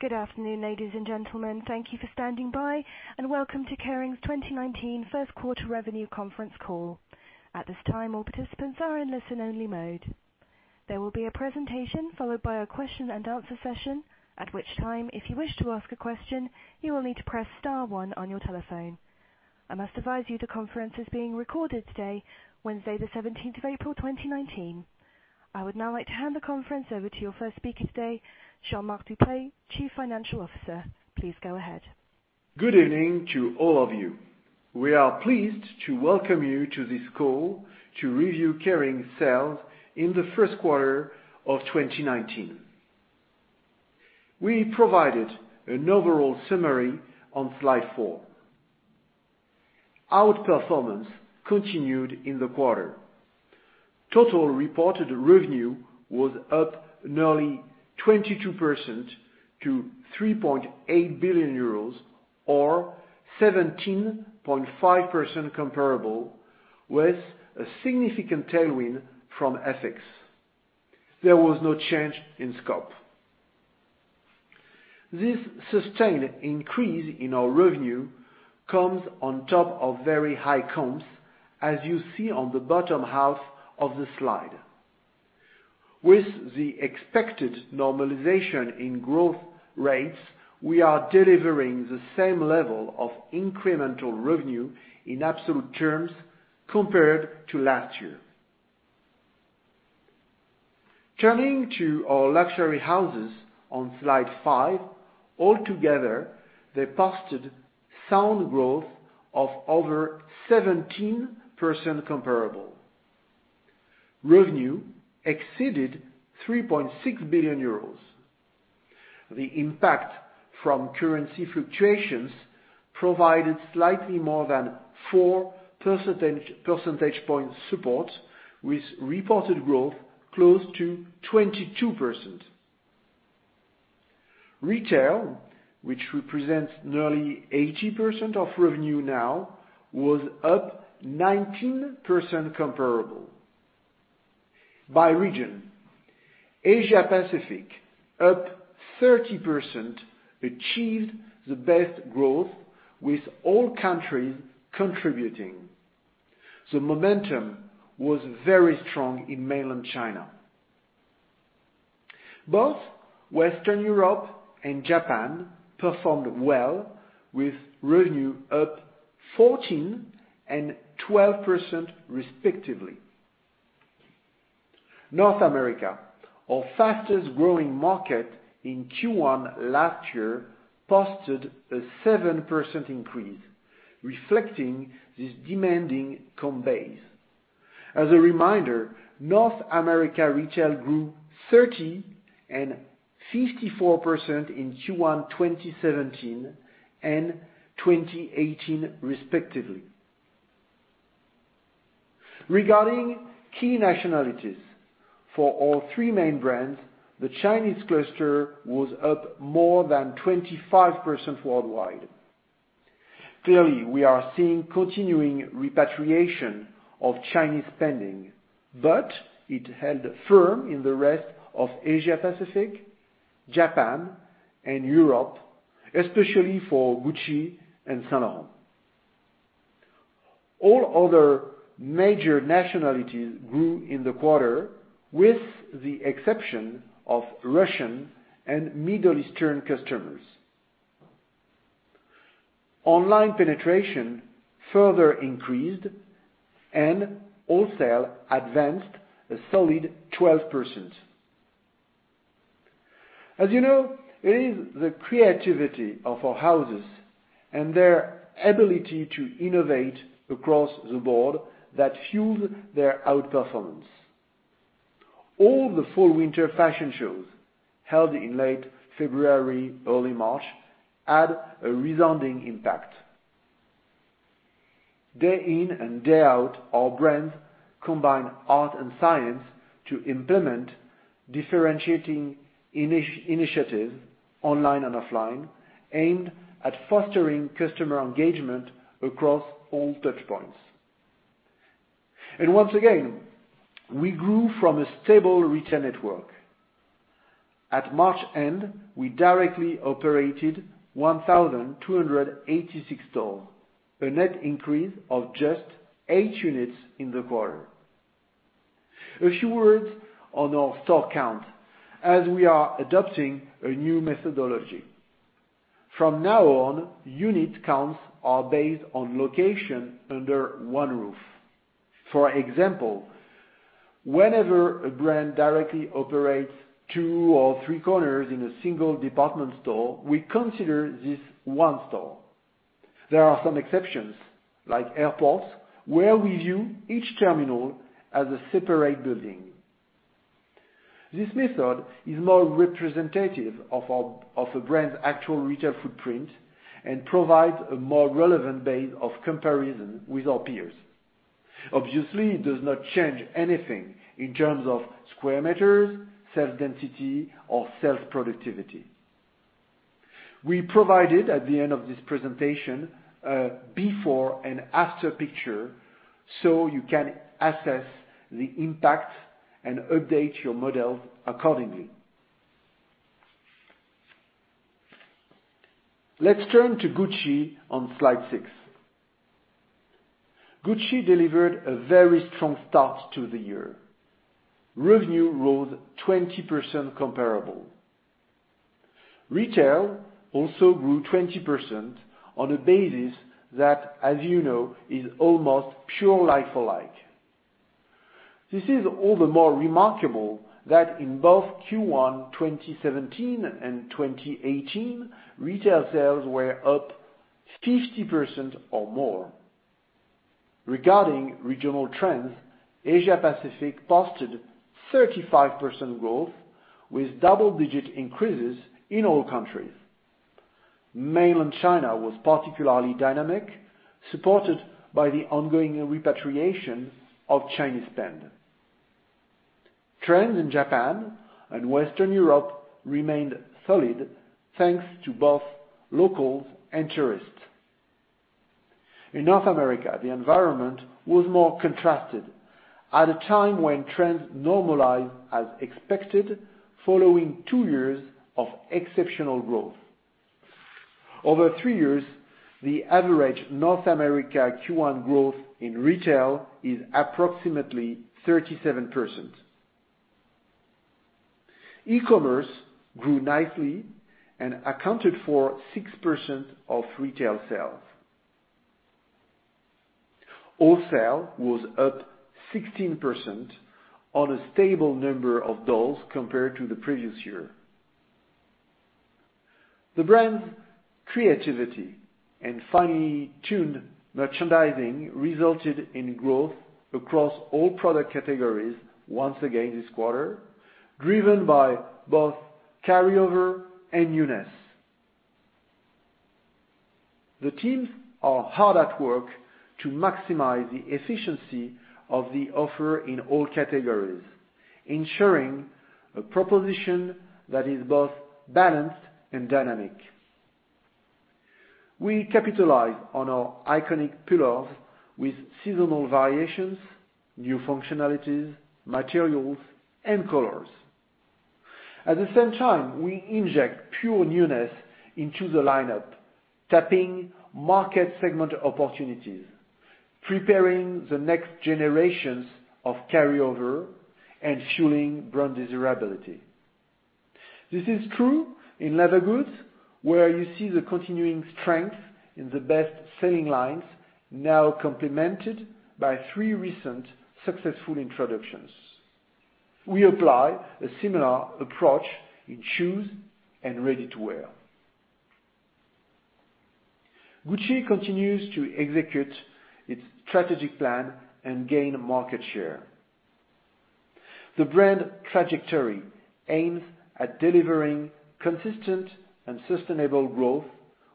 Good afternoon, ladies and gentlemen. Thank you for standing by, and welcome to Kering's 2019 first quarter revenue conference call. At this time, all participants are in listen-only mode. There will be a presentation followed by a question-and-answer session, at which time, if you wish to ask a question, you will need to press star one on your telephone. I must advise you, the conference is being recorded today, Wednesday the 17th of April, 2019. I would now like to hand the conference over to your first speaker today, Jean-Marc Duplaix, Chief Financial Officer. Please go ahead. Good evening to all of you. We are pleased to welcome you to this call to review Kering's sales in the first quarter of 2019. We provided an overall summary on slide four. Outperformance continued in the quarter. Total reported revenue was up nearly 22% to EUR 3.8 billion, or 17.5% comparable with a significant tailwind from FX. There was no change in scope. This sustained increase in our revenue comes on top of very high comps, as you see on the bottom half of the slide. With the expected normalization in growth rates, we are delivering the same level of incremental revenue in absolute terms compared to last year. Turning to our luxury houses on slide five. Altogether, they posted sound growth of over 17% comparable. Revenue exceeded 3.6 billion euros. The impact from currency fluctuations provided slightly more than 4% percentage point support, with reported growth close to 22%. Retail, which represents nearly 80% of revenue now, was up 19% comparable. By region, Asia Pacific up 30%, achieved the best growth, with all countries contributing. The momentum was very strong in mainland China. Both Western Europe and Japan performed well, with revenue up 14% and 12%, respectively. North America, our fastest-growing market in Q1 last year, posted a 7% increase, reflecting this demanding comp base. As a reminder, North America retail grew 30% and 54% in Q1 2017 and 2018, respectively. Regarding key nationalities, for all three main brands, the Chinese cluster was up more than 25% worldwide. Clearly, we are seeing continuing repatriation of Chinese spending, but it held firm in the rest of Asia Pacific, Japan, and Europe, especially for Gucci and Saint Laurent. All other major nationalities grew in the quarter, with the exception of Russian and Middle Eastern customers. Online penetration further increased, and wholesale advanced a solid 12%. As you know, it is the creativity of our houses and their ability to innovate across the board that fueled their outperformance. All the fall-winter fashion shows held in late February, early March, had a resounding impact. Day in and day out, our brands combine art and science to implement differentiating initiatives online and offline aimed at fostering customer engagement across all touchpoints. And once again, we grew from a stable retail network. At March end, we directly operated 1,286 stores, a net increase of just eight units in the quarter. A few words on our store count as we are adopting a new methodology. From now on, unit counts are based on location under one roof. For example, whenever a brand directly operates two or three corners in a single department store, we consider this one store. There are some exceptions, like airports, where we view each terminal as a separate building. This method is more representative of a brand's actual retail footprint and provides a more relevant base of comparison with our peers. Obviously, it does not change anything in terms of sq m, sales density, or sales productivity. We provided at the end of this presentation a before and after picture so you can assess the impact and update your models accordingly. Let's turn to Gucci on Slide six. Gucci delivered a very strong start to the year. Revenue rose 20% comparable. Retail also grew 20% on a basis that, as you know, is almost pure like for like. This is all the more remarkable that in both Q1 2017 and 2018, retail sales were up 50% or more. Regarding regional trends, Asia Pacific posted 35% growth with double-digit increases in all countries. Mainland China was particularly dynamic, supported by the ongoing repatriation of Chinese spend. Trends in Japan and Western Europe remained solid, thanks to both locals and tourists. In North America, the environment was more contrasted at a time when trends normalized as expected following two years of exceptional growth. Over three years, the average North America Q1 growth in retail is approximately 37%. E-commerce grew nicely and accounted for 6% of retail sales. Wholesale was up 16% on a stable number of EUR compared to the previous year. The brand's creativity and finely tuned merchandising resulted in growth across all product categories once again this quarter, driven by both carryover and newness. The teams are hard at work to maximize the efficiency of the offer in all categories, ensuring a proposition that is both balanced and dynamic. We capitalize on our iconic pillars with seasonal variations, new functionalities, materials, and colors. At the same time, we inject pure newness into the lineup, tapping market segment opportunities, preparing the next generations of carryover, and fueling brand desirability. This is true in leather goods, where you see the continuing strength in the best-selling lines, now complemented by three recent successful introductions. We apply a similar approach in shoes and ready-to-wear. Gucci continues to execute its strategic plan and gain market share. The brand trajectory aims at delivering consistent and sustainable growth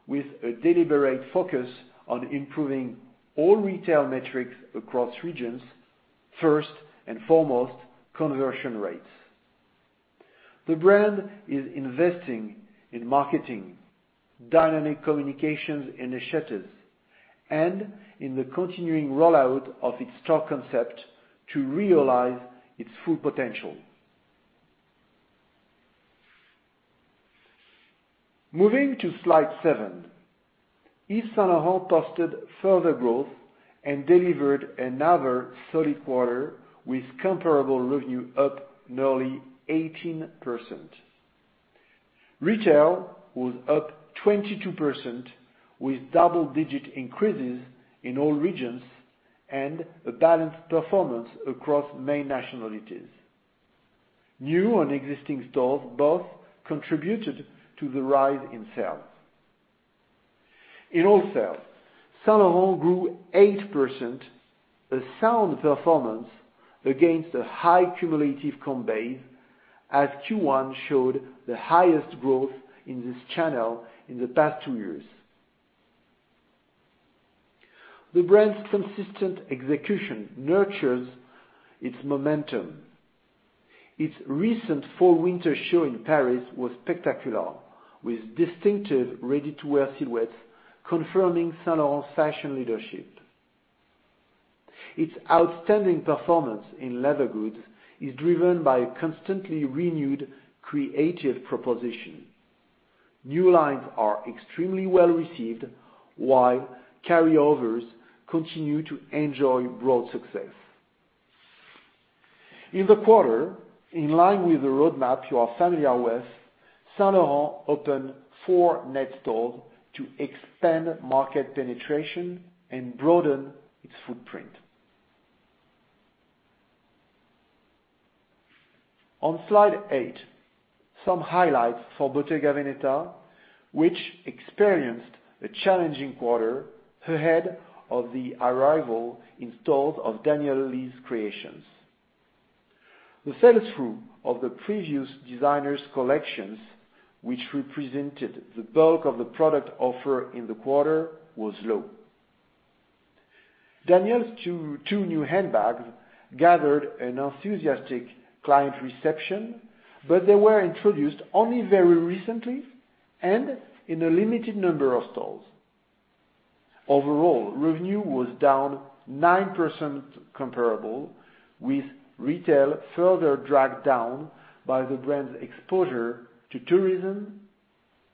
with a deliberate focus on improving all retail metrics across regions, first and foremost, conversion rates. The brand is investing in marketing, dynamic communications initiatives, and in the continuing rollout of its store concept to realize its full potential. Moving to Slide seven, Yves Saint Laurent posted further growth and delivered another solid quarter with comparable revenue up nearly 18%. Retail was up 22% with double-digit increases in all regions and a balanced performance across main nationalities. New and existing stores both contributed to the rise in sales. In wholesale, Saint Laurent grew 8%, a sound performance against a high cumulative comp base as Q1 showed the highest growth in this channel in the past two years. The brand's consistent execution nurtures its momentum. Its recent fall/winter show in Paris was spectacular, with distinctive ready-to-wear silhouettes confirming Saint Laurent fashion leadership. Its outstanding performance in leather goods is driven by a constantly renewed creative proposition. New lines are extremely well-received, while carryovers continue to enjoy broad success. In the quarter, in line with the roadmap you are familiar with, Saint Laurent opened four net stores to expand market penetration and broaden its footprint. On Slide eight, some highlights for Bottega Veneta, which experienced a challenging quarter ahead of the arrival in stores of Daniel Lee's creations. The sell-through of the previous designer's collections, which represented the bulk of the product offer in the quarter, was low. Daniel's two new handbags gathered an enthusiastic client reception, but they were introduced only very recently and in a limited number of stores. Overall, revenue was down 9% comparable with retail further dragged down by the brand's exposure to tourism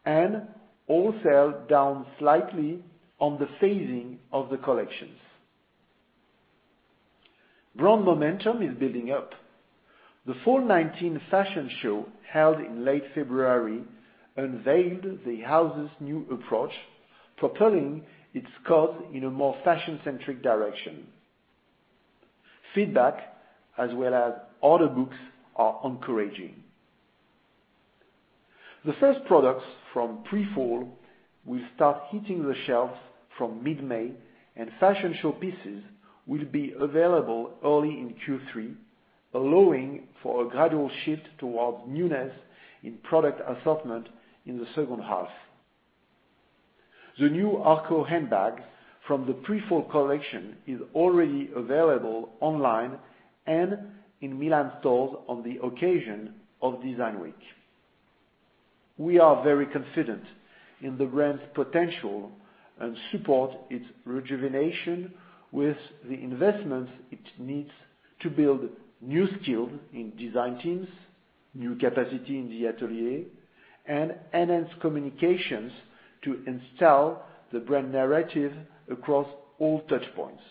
and wholesale down slightly on the phasing of the collections. Brand momentum is building up. The fall '19 fashion show, held in late February, unveiled the house's new approach, propelling its course in a more fashion-centric direction. Feedback as well as order books are encouraging. The first products from pre-fall will start hitting the shelves from mid-May, and fashion show pieces will be available early in Q3, allowing for a gradual shift towards newness in product assortment in the second half. The new Arco handbag from the pre-fall collection is already available online and in Milan stores on the occasion of Design Week. We are very confident in the brand's potential and support its rejuvenation with the investments it needs to build new skills in design teams, new capacity in the atelier, and enhance communications to install the brand narrative across all touch points.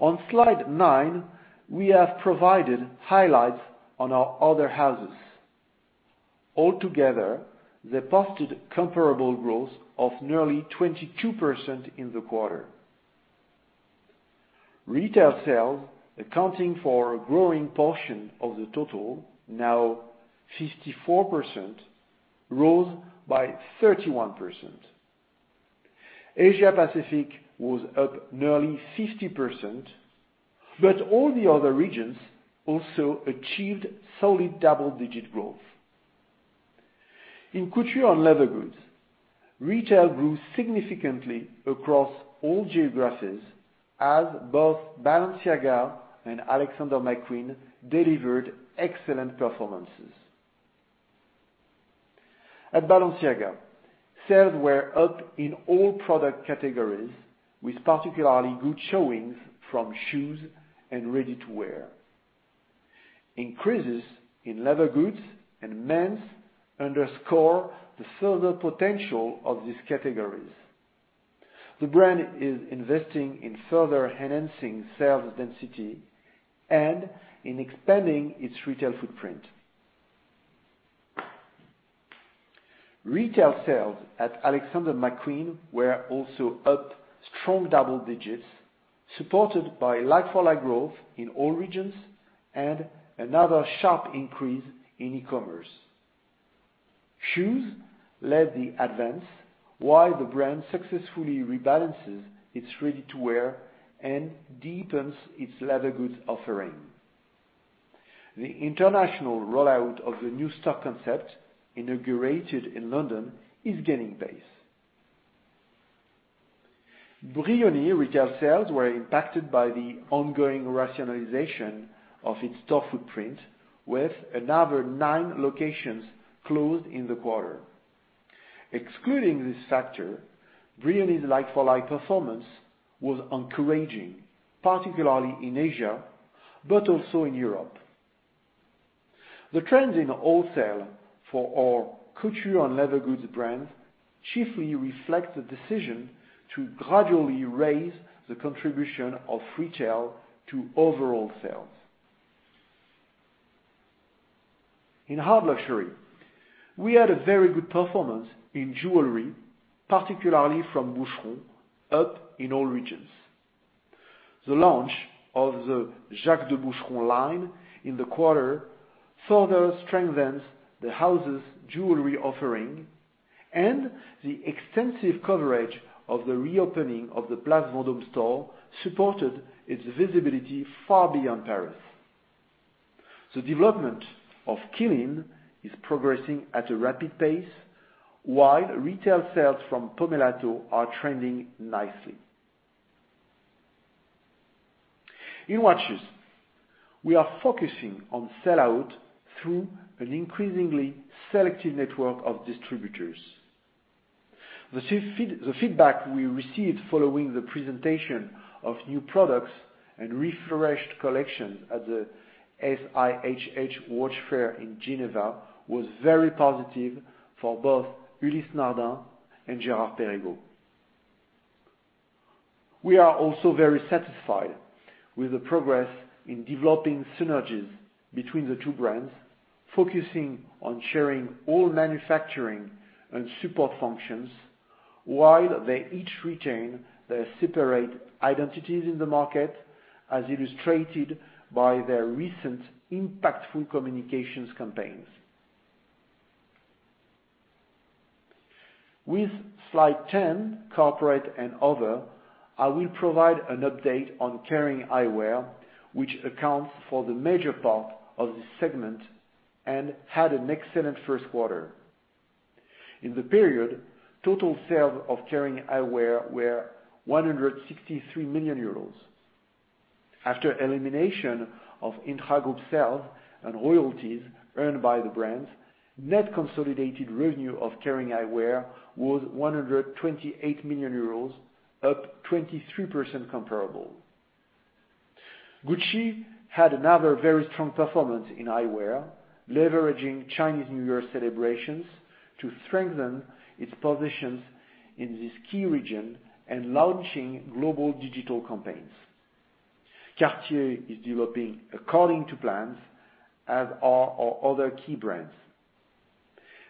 On slide nine, we have provided highlights on our other houses. All together, they posted comparable growth of nearly 22% in the quarter. Retail sales accounting for a growing portion of the total, now 54%, rose by 31%. Asia Pacific was up nearly 50%. All the other regions also achieved solid double-digit growth. In couture and leather goods, retail grew significantly across all geographies as both Balenciaga and Alexander McQueen delivered excellent performances. At Balenciaga, sales were up in all product categories, with particularly good showings from shoes and ready-to-wear. Increases in leather goods and men's underscore the further potential of these categories. The brand is investing in further enhancing sales density and in expanding its retail footprint. Retail sales at Alexander McQueen were also up strong double digits, supported by like-for-like growth in all regions and another sharp increase in e-commerce. Shoes led the advance while the brand successfully rebalances its ready-to-wear and deepens its leather goods offering. The international rollout of the new store concept inaugurated in London is gaining pace. Brioni retail sales were impacted by the ongoing rationalization of its store footprint with another nine locations closed in the quarter. Excluding this factor, Brioni's like-for-like performance was encouraging, particularly in Asia but also in Europe. The trends in wholesale for our couture and leather goods brands chiefly reflect the decision to gradually raise the contribution of retail to overall sales. In hard luxury, we had a very good performance in jewelry, particularly from Boucheron, up in all regions. The launch of the Jack de Boucheron line in the quarter further strengthens the house's jewelry offering and the extensive coverage of the reopening of the Place Vendôme store supported its visibility far beyond Paris. The development of Qeelin is progressing at a rapid pace, while retail sales from Pomellato are trending nicely. In watches, we are focusing on sell-out through an increasingly selective network of distributors. The feedback we received following the presentation of new products and refreshed collections at the SIHH Watch Fair in Geneva was very positive for both Ulysse Nardin and Girard-Perregaux. We are also very satisfied with the progress in developing synergies between the two brands, focusing on sharing all manufacturing and support functions while they each retain their separate identities in the market, as illustrated by their recent impactful communications campaigns. With slide 10, corporate and other, I will provide an update on Kering Eyewear, which accounts for the major part of this segment. Had an excellent first quarter. In the period, total sales of Kering Eyewear were 163 million euros. After elimination of intra-group sales and royalties earned by the brands, net consolidated revenue of Kering Eyewear was 128 million euros, up 23% comparable. Gucci had another very strong performance in eyewear, leveraging Chinese New Year celebrations to strengthen its positions in this key region and launching global digital campaigns. Cartier is developing according to plans, as are our other key brands.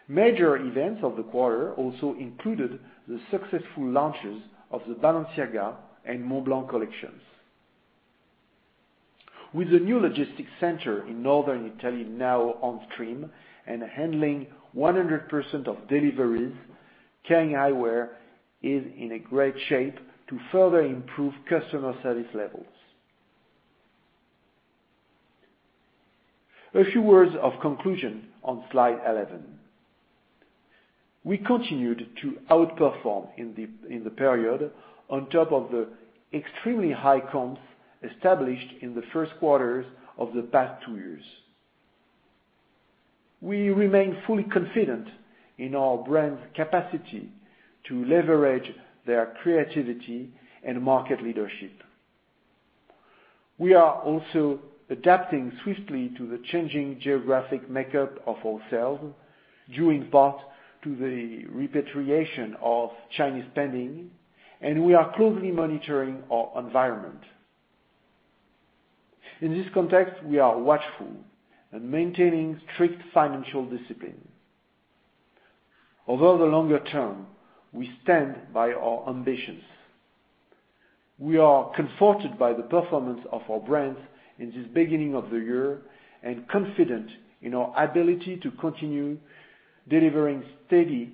Major events of the quarter also included the successful launches of the Balenciaga and Montblanc collections. With the new logistics center in northern Italy now on stream and handling 100% of deliveries, Kering Eyewear is in a great shape to further improve customer service levels. A few words of conclusion on slide 11. We continued to outperform in the period, on top of the extremely high comps established in the first quarters of the past two years. We remain fully confident in our brands' capacity to leverage their creativity and market leadership. We are also adapting swiftly to the changing geographic makeup of our sales, due in part to the repatriation of Chinese spending, and we are closely monitoring our environment. In this context, we are watchful and maintaining strict financial discipline. In the longer term, we stand by our ambitions. We are comforted by the performance of our brands in this beginning of the year, and confident in our ability to continue delivering steady,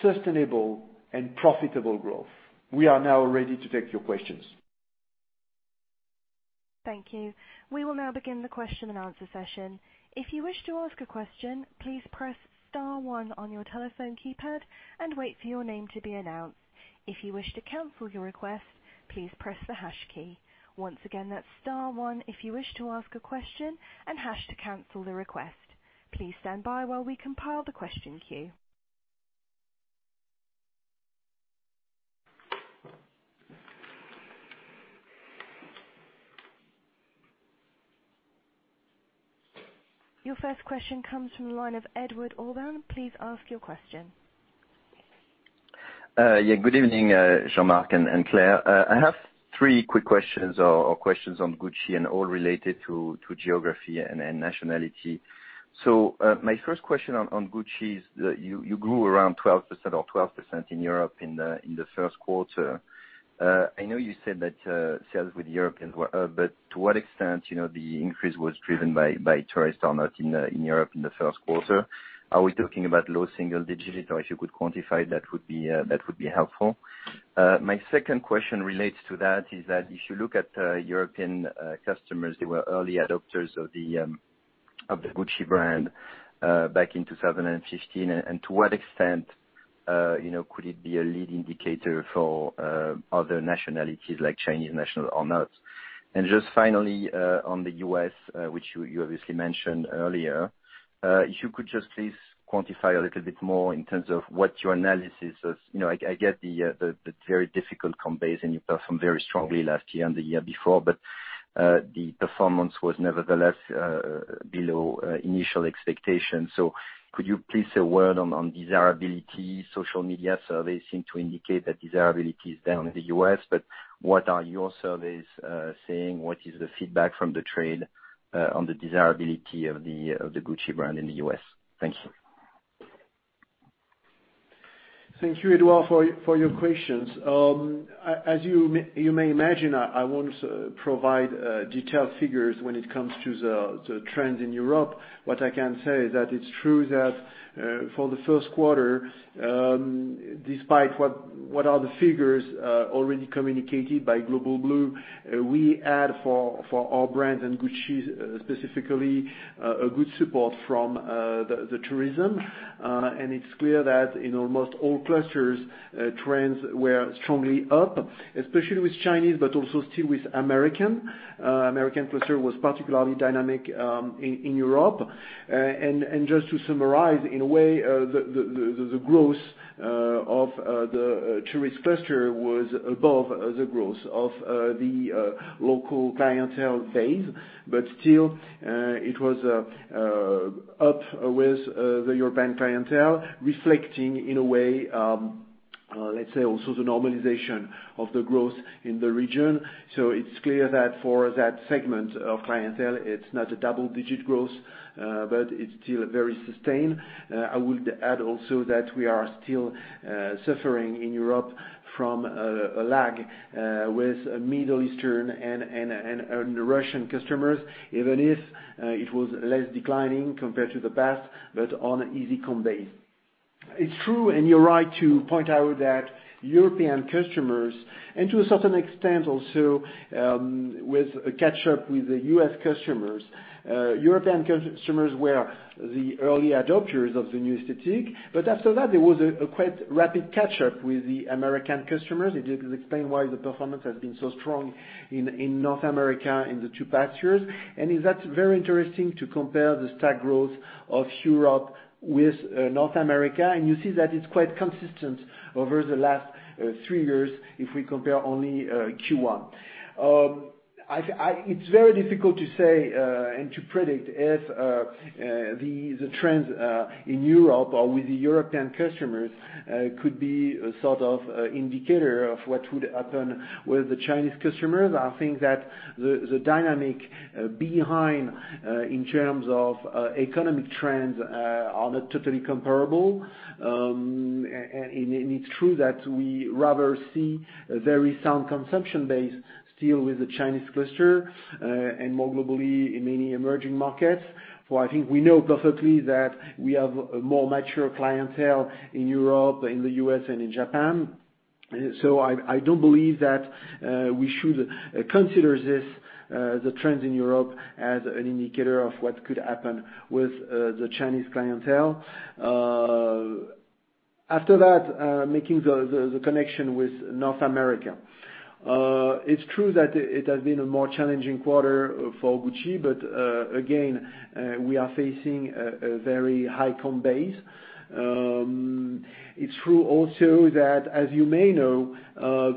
sustainable, and profitable growth. We are now ready to take your questions. Thank you. We will now begin the question and answer session. If you wish to ask a question, please press star one on your telephone keypad and wait for your name to be announced. If you wish to cancel your request, please press the hash key. Once again, that's star one if you wish to ask a question, and hash to cancel the request. Please stand by while we compile the question queue. Your first question comes from the line of Edouard Aubin. Please ask your question. Good evening, Jean-Marc and Claire. I have three quick questions, or questions on Gucci and all related to geography and nationality. My first question on Gucci is that you grew around 12% in Europe in the first quarter. I know you said that sales with Europeans were up, but to what extent the increase was driven by tourists or not in Europe in the first quarter? Are we talking about low single digits? If you could quantify, that would be helpful. My second question relates to that, is that if you look at European customers, they were early adopters of the Gucci brand back in 2015. To what extent could it be a lead indicator for other nationalities like Chinese nationals or not? Just finally on the U.S., which you obviously mentioned earlier, if you could just please quantify a little bit more in terms of what your analysis is. I get the very difficult comp base and you performed very strongly last year and the year before, but the performance was nevertheless below initial expectations. Could you please say a word on desirability? Social media surveys seem to indicate that desirability is down in the U.S., but what are your surveys saying? What is the feedback from the trade on the desirability of the Gucci brand in the U.S.? Thank you. Thank you, Edouard, for your questions. As you may imagine, I won't provide detailed figures when it comes to the trends in Europe. What I can say is that it's true that for the first quarter, despite what are the figures already communicated by Global Blue, we had for our brands and Gucci specifically, a good support from the tourism. It's clear that in almost all clusters, trends were strongly up, especially with Chinese, but also still with American. American cluster was particularly dynamic in Europe. Just to summarize, in a way, the growth of the tourist cluster was above the growth of the local clientele base. Still, it was up with the European clientele, reflecting in a way, let's say, also the normalization of the growth in the region. It's clear that for that segment of clientele, it's not a double-digit growth, but it's still very sustained. I would add also that we are still suffering in Europe from a lag with Middle Eastern and Russian customers, even if it was less declining compared to the past, but on easy comp base. It's true, and you're right to point out that European customers, and to a certain extent also with a catch-up with the U.S. customers. European customers were the early adopters of the new aesthetic. After that, there was a quite rapid catch-up with the American customers. It does explain why the performance has been so strong in North America in the two past years. That's very interesting to compare the stack growth of Europe with North America. You see that it's quite consistent over the last three years if we compare only Q1. It's very difficult to say and to predict if the trends in Europe or with the European customers could be a sort of indicator of what would happen with the Chinese customers. I think that the dynamic behind, in terms of economic trends, are not totally comparable. It's true that we rather see a very sound consumption base still with the Chinese cluster, and more globally in many emerging markets. For I think we know perfectly that we have a more mature clientele in Europe, in the U.S., and in Japan. I do believe that we should consider this, the trends in Europe, as an indicator of what could happen with the Chinese clientele. After that, making the connection with North America. It's true that it has been a more challenging quarter for Gucci, but, again, we are facing a very high comp base. It's true also that, as you may know,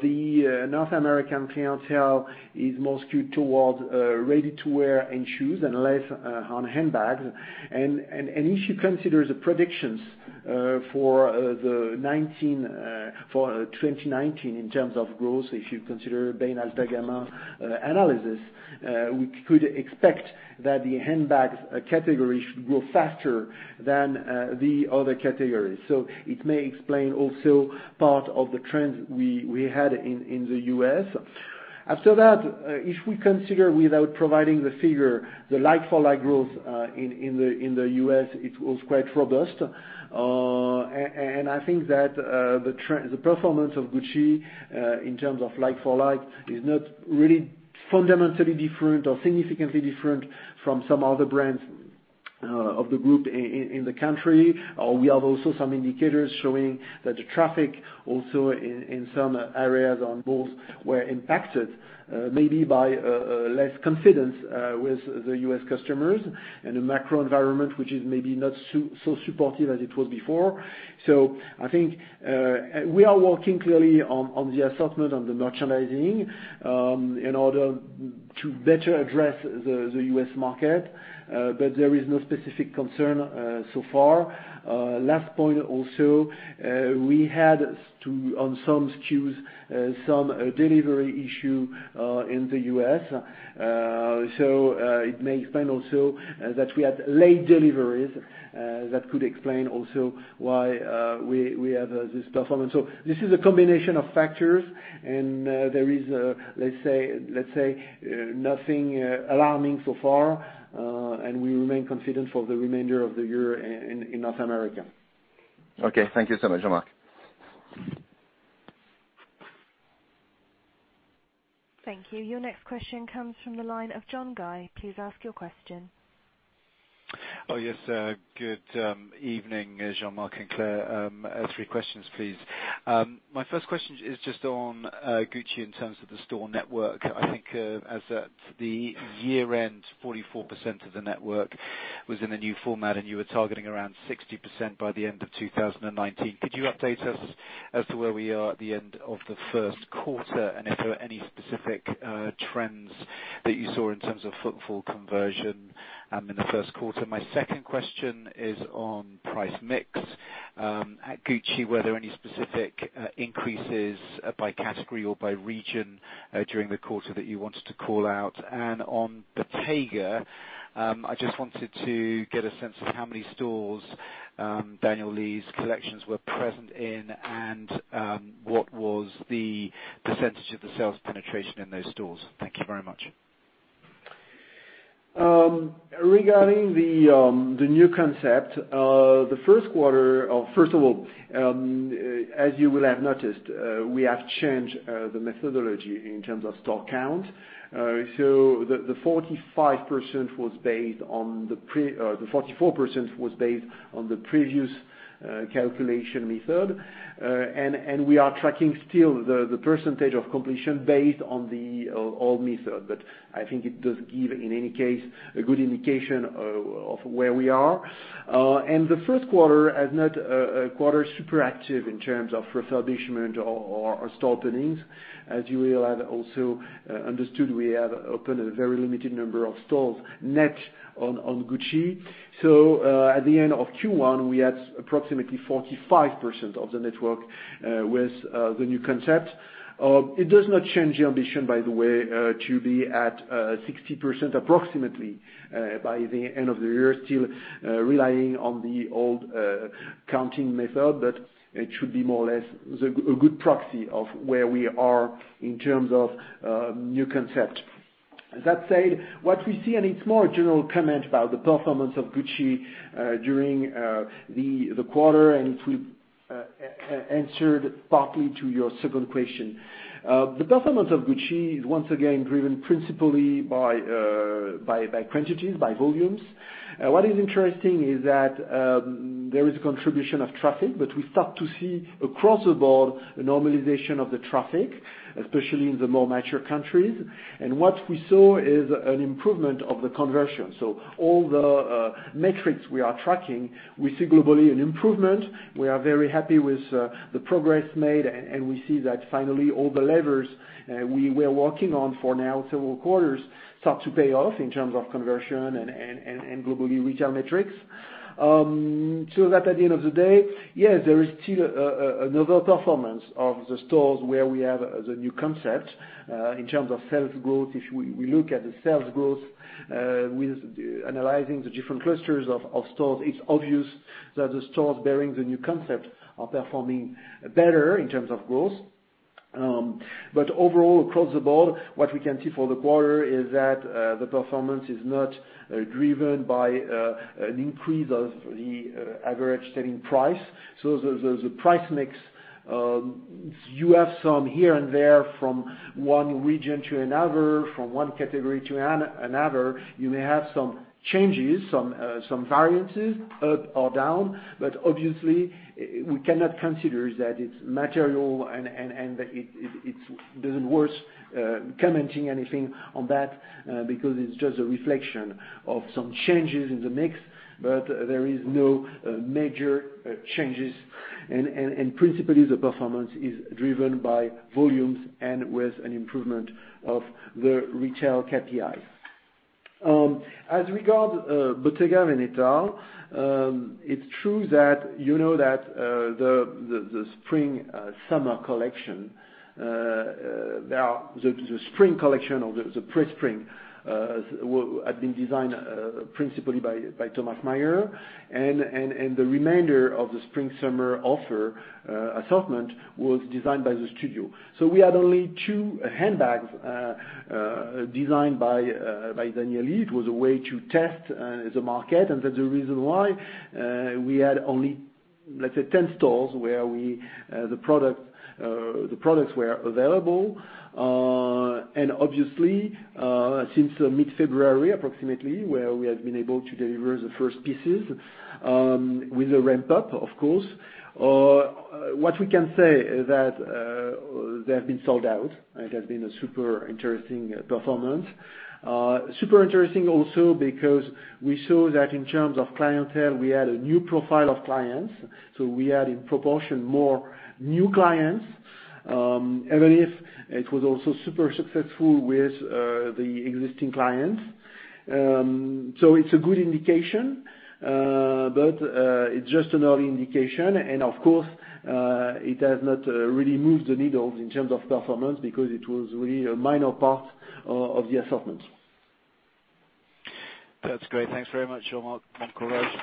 the North American clientele is more skewed towards ready-to-wear and shoes and less on handbags. If you consider the predictions for 2019 in terms of growth, if you consider Bain & Company Altagamma analysis, we could expect that the handbag category should grow faster than the other categories. It may explain also part of the trends we had in the U.S. After that, if we consider, without providing the figure, the like-for-like growth in the U.S., it was quite robust. I think that the performance of Gucci, in terms of like-for-like, is not really fundamentally different or significantly different from some other brands of the group in the country. We have also some indicators showing that the traffic also in some areas on both were impacted, maybe by less confidence with the U.S. customers and a macro environment which is maybe not so supportive as it was before. I think we are working clearly on the assortment, on the merchandising, in order to better address the U.S. market. There is no specific concern so far. Last point also, on some SKUs, some delivery issue in the U.S. It may explain also that we had late deliveries. That could explain also why we have this performance. This is a combination of factors, and there is, let's say, nothing alarming so far. We remain confident for the remainder of the year in North America. Okay. Thank you so much, Jean-Marc. Thank you. Your next question comes from the line of John Guy. Please ask your question. Yes. Good evening, Jean-Marc and Claire. Three questions, please. My first question is just on Gucci in terms of the store network. I think as at the year-end, 44% of the network was in the new format, and you were targeting around 60% by the end of 2019. Could you update us as to where we are at the end of the first quarter, and if there were any specific trends that you saw in terms of footfall conversion in the first quarter? My second question is on price mix. At Gucci, were there any specific increases by category or by region during the quarter that you wanted to call out? On Bottega, I just wanted to get a sense of how many stores Daniel Lee's collections were present in, and what was the % of the sales penetration in those stores. Thank you very much. Regarding the new concept, first of all, as you will have noticed, we have changed the methodology in terms of store count. The 44% was based on the previous calculation method. We are tracking still the % of completion based on the old method. I think it does give, in any case, a good indication of where we are. The first quarter is not a quarter super active in terms of refurbishment or store openings. As you will have also understood, we have opened a very limited number of stores net on Gucci. At the end of Q1, we had approximately 45% of the network with the new concept. It does not change the ambition, by the way, to be at 60% approximately by the end of the year, still relying on the old counting method. It should be more or less a good proxy of where we are in terms of new concept. That said, what we see, and it's more a general comment about the performance of Gucci during the quarter, and it will answer partly to your second question. The performance of Gucci is once again driven principally by quantities, by volumes. What is interesting is that there is a contribution of traffic, but we start to see across the board a normalization of the traffic, especially in the more mature countries. What we saw is an improvement of the conversion. All the metrics we are tracking, we see globally an improvement. We are very happy with the progress made, and we see that finally all the levers we were working on for now several quarters, start to pay off in terms of conversion and globally retail metrics. That at the end of the day, yes, there is still another performance of the stores where we have the new concept. In terms of sales growth, if we look at the sales growth, with analyzing the different clusters of stores, it is obvious that the stores bearing the new concept are performing better in terms of growth. Overall, across the board, what we can see for the quarter is that the performance is not driven by an increase of the average selling price. The price mix, you have some here and there from one region to another, from one category to another. You may have some changes, some variances up or down, but obviously we cannot consider that it is material and that it isn't worth commenting anything on that, because it is just a reflection of some changes in the mix. There is no major changes, and principally the performance is driven by volumes and with an improvement of the retail KPIs. As regard Bottega Veneta, it is true that you know that the spring collection or the pre-spring, had been designed principally by Tomas Maier, and the remainder of the spring-summer offer assortment was designed by the studio. We had only two handbags designed by Daniel Lee. It was a way to test the market, and that is the reason why we had only, let's say, 10 stores where the products were available. Obviously, since mid-February approximately, where we have been able to deliver the first pieces, with a ramp up, of course. What we can say is that they have been sold out. It has been a super interesting performance. Super interesting also because we saw that in terms of clientele, we had a new profile of clients. We had in proportion more new clients, even if it was also super successful with the existing clients. It is a good indication. It is just an early indication, and of course, it has not really moved the needle in terms of performance because it was really a minor part of the assortment. That is great. Thanks very much, Jean-Marc, bon courage.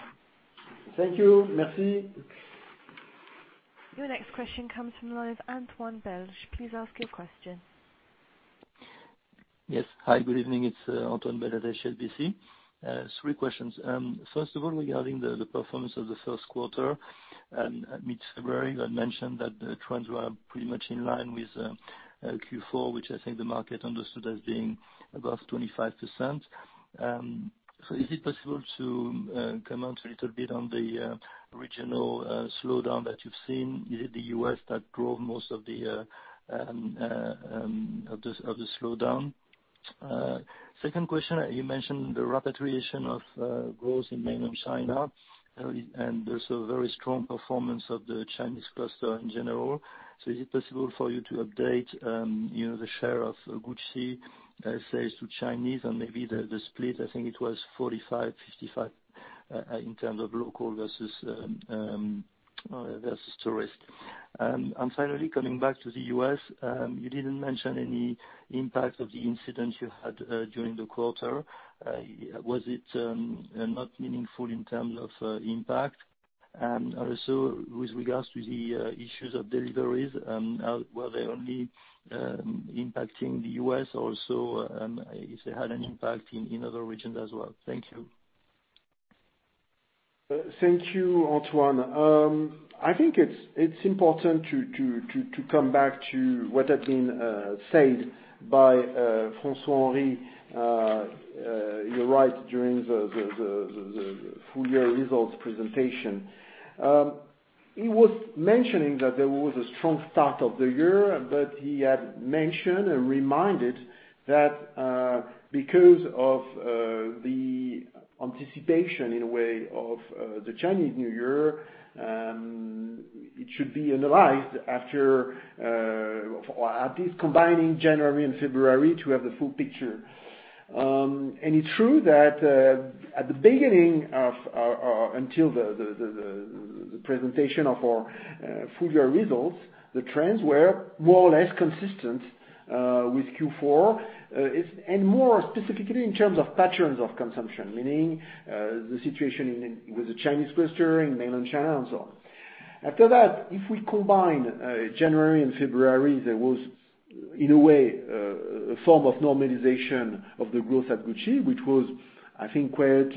Thank you. Merci. Your next question comes from line of Antoine Belge. Please ask your question. Yes. Hi, good evening. It's Antoine Belge, HSBC. Three questions. First of all, regarding the performance of the first quarter and mid-February that mentioned that the trends were pretty much in line with Q4, which I think the market understood as being above 25%. Is it possible to comment a little bit on the regional slowdown that you've seen, the U.S. that drove most of the slowdown? Second question, you mentioned the repatriation of growth in mainland China, and there's a very strong performance of the Chinese cluster in general. Is it possible for you to update the share of Gucci sales to Chinese and maybe the split? I think it was 45/55 in terms of local versus tourist. Finally, coming back to the U.S., you didn't mention any impact of the incident you had during the quarter. Was it not meaningful in terms of impact? Also with regards to the issues of deliveries, were they only impacting the U.S. also, if they had an impact in other regions as well? Thank you. Thank you, Antoine. I think it's important to come back to what had been said by François-Henri, you're right, during the full-year results presentation. He was mentioning that there was a strong start of the year, but he had mentioned and reminded that because of the anticipation, in a way, of the Chinese New Year, it should be analyzed after at least combining January and February to have the full picture. It's true that at the beginning of, or until the presentation of our full-year results, the trends were more or less consistent with Q4, and more specifically in terms of patterns of consumption, meaning the situation with the Chinese cluster in mainland China and so on. After that, if we combine January and February, there was in a way, a form of normalization of the growth at Gucci, which was I think quite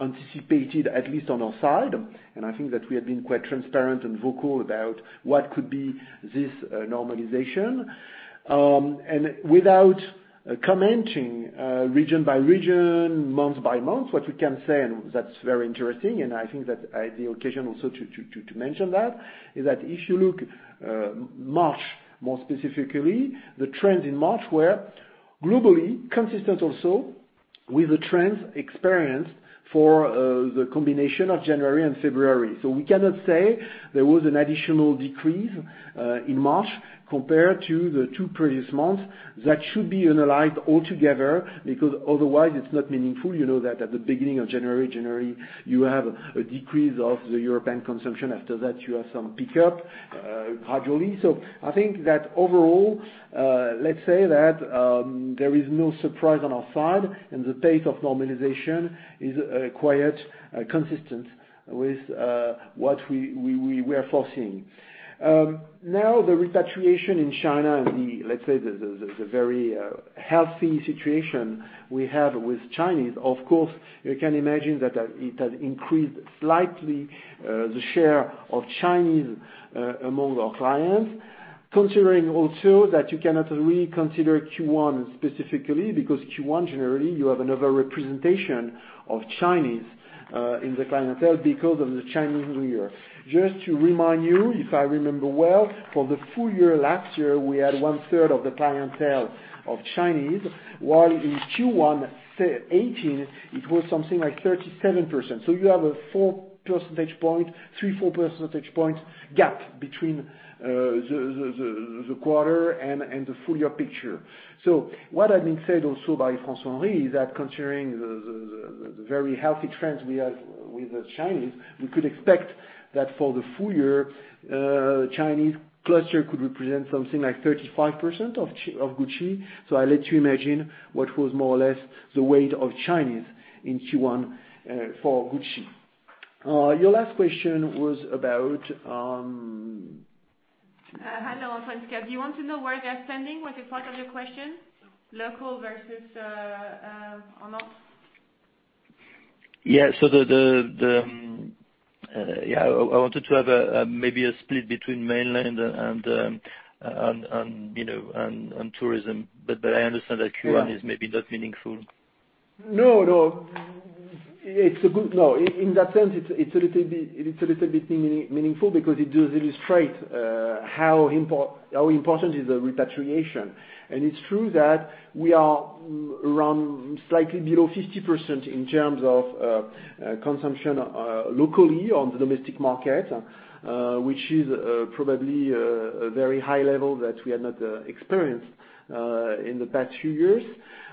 anticipated, at least on our side. I think that we have been quite transparent and vocal about what could be this normalization. Without commenting region by region, month by month, what we can say, and that's very interesting, and I think that the occasion also to mention that is that if you look March more specifically, the trends in March were globally consistent also with the trends experienced for the combination of January and February. We cannot say there was an additional decrease in March compared to the two previous months. That should be analyzed altogether because otherwise it's not meaningful. You know that at the beginning of January, you have a decrease of the European consumption. After that, you have some pickup gradually. I think that overall, let's say that there is no surprise on our side and the pace of normalization is quite consistent with what we are foreseeing. Now, the repatriation in China and, let's say the very healthy situation we have with Chinese, of course, you can imagine that it has increased slightly, the share of Chinese among our clients. Considering also that you cannot really consider Q1 specifically because Q1 generally, you have another representation of Chinese in the clientele because of the Chinese New Year. Just to remind you, if I remember well, for the full year last year, we had one-third of the clientele of Chinese, while in Q1 2018 it was something like 37%. You have a three, four percentage points gap between the quarter and the full year picture. What has been said also by François-Henri is that considering the very healthy trends we have with the Chinese, we could expect that for the full year, Chinese cluster could represent something like 35% of Gucci. I let you imagine what was more or less the weight of Chinese in Q1 for Gucci. Your last question was about, Hello, François-Henri. Do you want to know where they're spending? Was it part of your question? Local versus remote? Yeah. I wanted to have maybe a split between mainland and tourism, but I understand that Q1 is maybe not meaningful. No, no. In that sense, it's a little bit meaningful because it does illustrate how important is the repatriation. It's true that we are around slightly below 50% in terms of consumption locally on the domestic market, which is probably a very high level that we had not experienced in the past few years.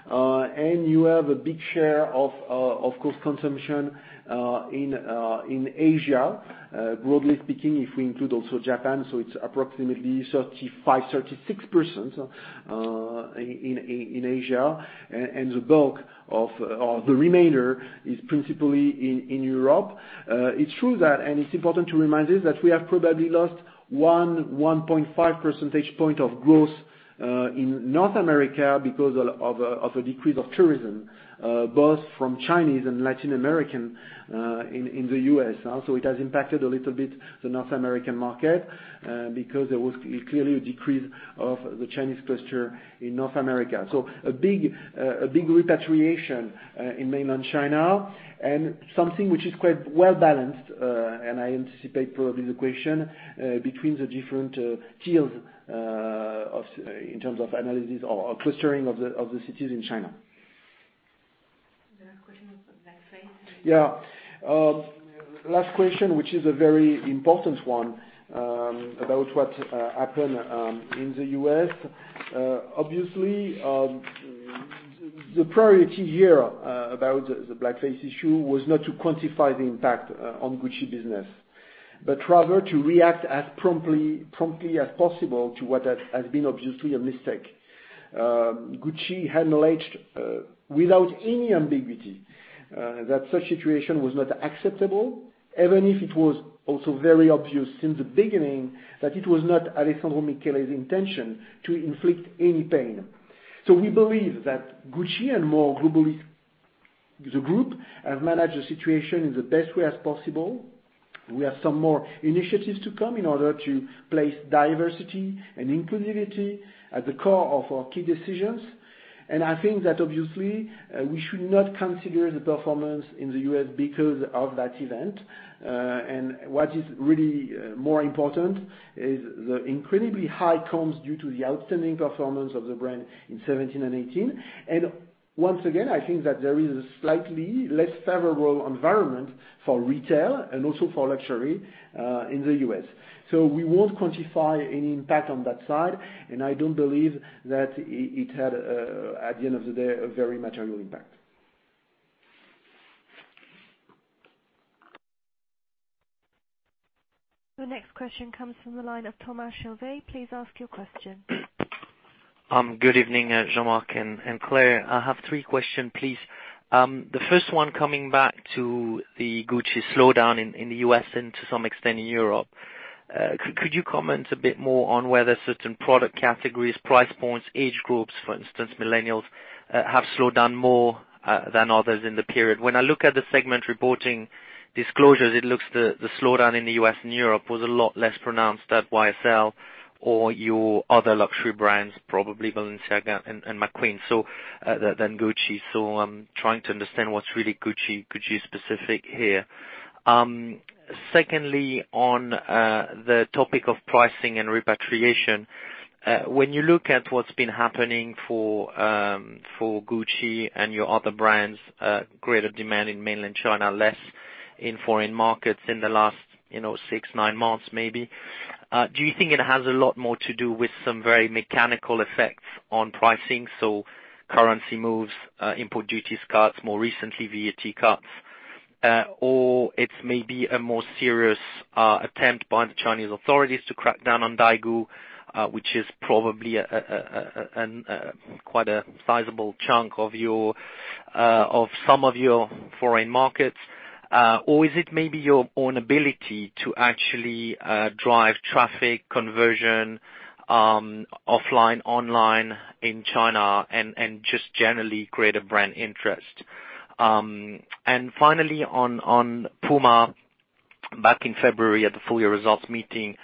You have a big share, of course, consumption in Asia, broadly speaking, if we include also Japan. It's approximately 35, 36% in Asia. The bulk of the remainder is principally in Europe. It's true that, and it's important to remind you that we have probably lost 1.5 percentage point of growth in North America because of a decrease of tourism, both from Chinese and Latin American, in the U.S. Also, it has impacted a little bit the North American market, because there was clearly a decrease of the Chinese cluster in North America. A big repatriation in mainland China and something which is quite well-balanced, and I anticipate probably the question, between the different tiers in terms of analysis or clustering of the cities in China. The last question was on blackface. Last question, which is a very important one, about what happened in the U.S. Obviously, the priority here about the blackface issue was not to quantify the impact on Gucci business, but rather to react as promptly as possible to what has been obviously a mistake. Gucci had alleged, without any ambiguity, that such situation was not acceptable, even if it was also very obvious since the beginning that it was not Alessandro Michele's intention to inflict any pain. We believe that Gucci and more globally, Kering, have managed the situation in the best way as possible. We have some more initiatives to come in order to place diversity and inclusivity at the core of our key decisions. I think that obviously, we should not consider the performance in the U.S. because of that event. What is really more important is the incredibly high comp base due to the outstanding performance of the brand in 2017 and 2018. Once again, I think that there is a slightly less favorable environment for retail and also for luxury, in the U.S. We won't quantify any impact on that side, and I don't believe that it had, at the end of the day, a very material impact. The next question comes from the line of Thomas Chauvet. Please ask your question. Good evening, Jean-Marc and Claire. I have three questions, please. The first one, coming back to the Gucci slowdown in the U.S. and to some extent, in Europe. Could you comment a bit more on whether certain product categories, price points, age groups, for instance, millennials, have slowed down more than others in the period? When I look at the segment reporting disclosures, it looks the slowdown in the U.S. and Europe was a lot less pronounced at YSL or your other luxury brands, probably Balenciaga and McQueen, than Gucci. I'm trying to understand what's really Gucci-specific here. Secondly, on the topic of pricing and repatriation, when you look at what's been happening for Gucci and your other brands, greater demand in mainland China, less in foreign markets in the last six, nine months maybe, do you think it has a lot more to do with some very mechanical effects on pricing, currency moves, import duties cuts, more recently, VAT cuts? Is it maybe a more serious attempt by the Chinese authorities to crack down on Daigou, which is probably quite a sizable chunk of some of your foreign markets? Is it maybe your own ability to actually drive traffic conversion offline, online in China and just generally greater brand interest? Finally, on Puma, back in February at the full year results meeting,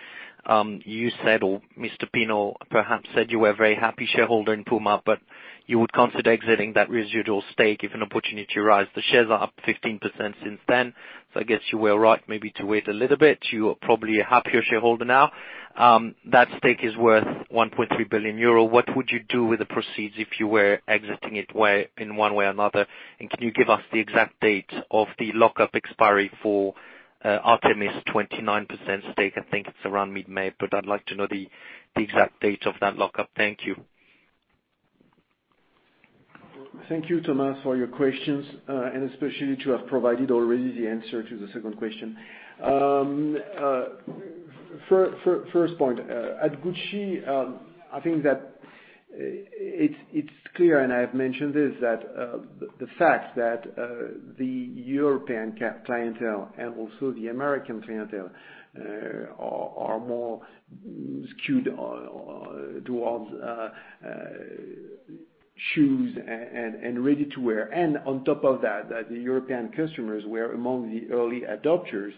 you said, or Mr. Pinault perhaps said you were a very happy shareholder in Puma, but you would consider exiting that residual stake if an opportunity arose. The shares are up 15% since then, I guess you were right maybe to wait a little bit. You are probably a happier shareholder now. That stake is worth 1.3 billion euro. What would you do with the proceeds if you were exiting it in one way or another? Can you give us the exact date of the lockup expiry for Artémis' 29% stake? I think it's around mid-May, I'd like to know the exact date of that lockup. Thank you. Thank you, Thomas, for your questions, and especially to have provided already the answer to the second question. First point, at Gucci, I think that it's clear, and I have mentioned this, that the fact that the European clientele and also the American clientele are more skewed towards shoes and ready-to-wear, and on top of that the European customers were among the early adopters.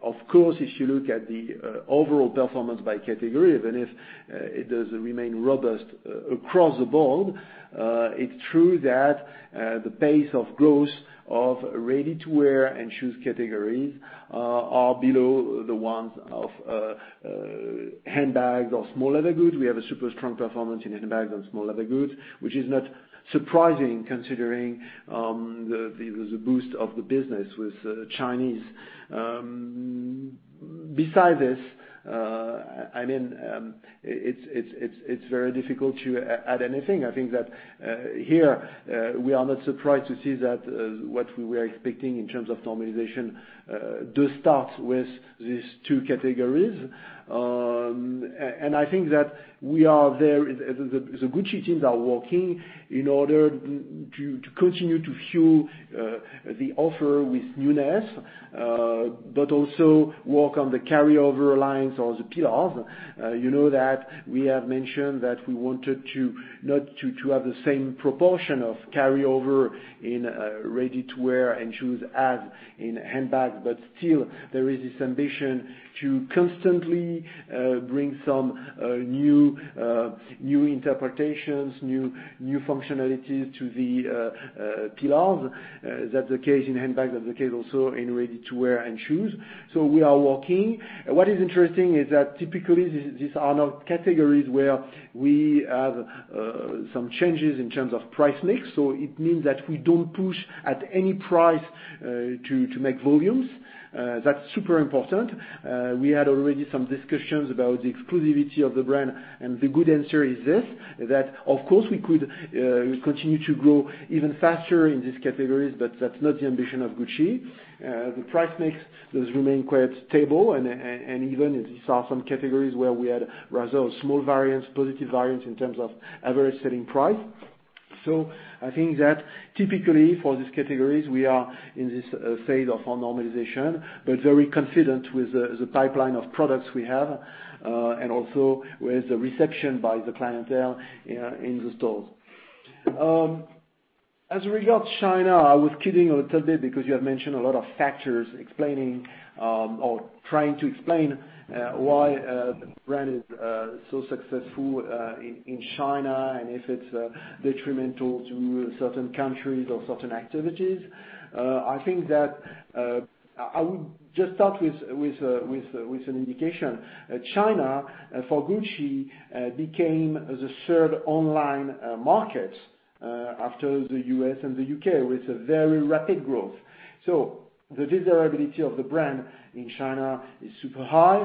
Of course, if you look at the overall performance by category, even if it does remain robust across the board, it's true that the pace of growth of ready-to-wear and shoes categories are below the ones of handbags or small leather goods. We have a super strong performance in handbags and small leather goods, which is not surprising considering the boost of the business with Chinese. Besides this, it's very difficult to add anything. I think that here, we are not surprised to see that what we were expecting in terms of normalization does start with these two categories. I think that the Gucci teams are working in order to continue to fuel the offer with newness, but also work on the carryover lines or the pillars. You know that we have mentioned that we wanted to not to have the same proportion of carryover in ready-to-wear and shoes as in handbags. Still, there is this ambition to constantly bring some new interpretations, new functionalities to the pillars. That's the case in handbags. That's the case also in ready-to-wear and shoes. We are working. What is interesting is that typically, these are not categories where we have some changes in terms of price mix, so it means that we don't push at any price to make volumes. That's super important. We had already some discussions about the exclusivity of the brand, the good answer is this, that of course, we could continue to grow even faster in these categories, that's not the ambition of Gucci. The price mix does remain quite stable and even as you saw some categories where we had rather small variance, positive variance in terms of average selling price. I think that typically for these categories, we are in this phase of our normalization, but very confident with the pipeline of products we have, and also with the reception by the clientele in the stores. As regards China, I was kidding a little bit because you have mentioned a lot of factors explaining or trying to explain why the brand is so successful in China and if it's detrimental to certain countries or certain activities. I would just start with an indication. China, for Gucci, became the third online market after the U.S. and the U.K., with a very rapid growth. The desirability of the brand in China is super high.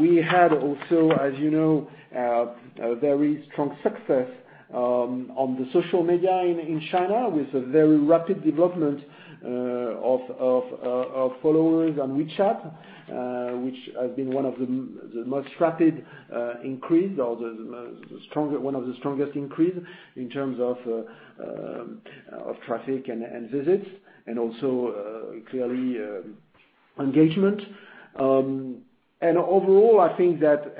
We had also, as you know, a very strong success on the social media in China, with a very rapid development of followers on WeChat. Which has been one of the most rapid increase or one of the strongest increase in terms of traffic and visits and also, clearly engagement. Overall, I think that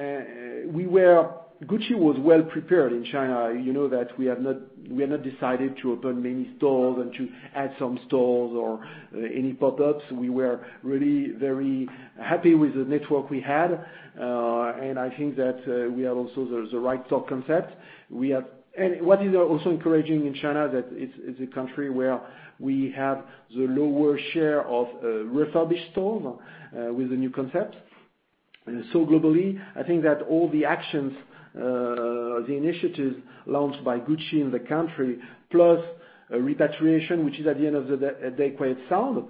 Gucci was well prepared in China. You know that we have not decided to open many stores and to add some stores or any pop-ups. We were really very happy with the network we had. I think we have also the right store concept. What is also encouraging in China, that it's a country where we have the lower share of refurbished stores with the new concept. Globally, I think that all the actions, the initiatives launched by Gucci in the country, plus repatriation, which is at the end of the day, quite sound,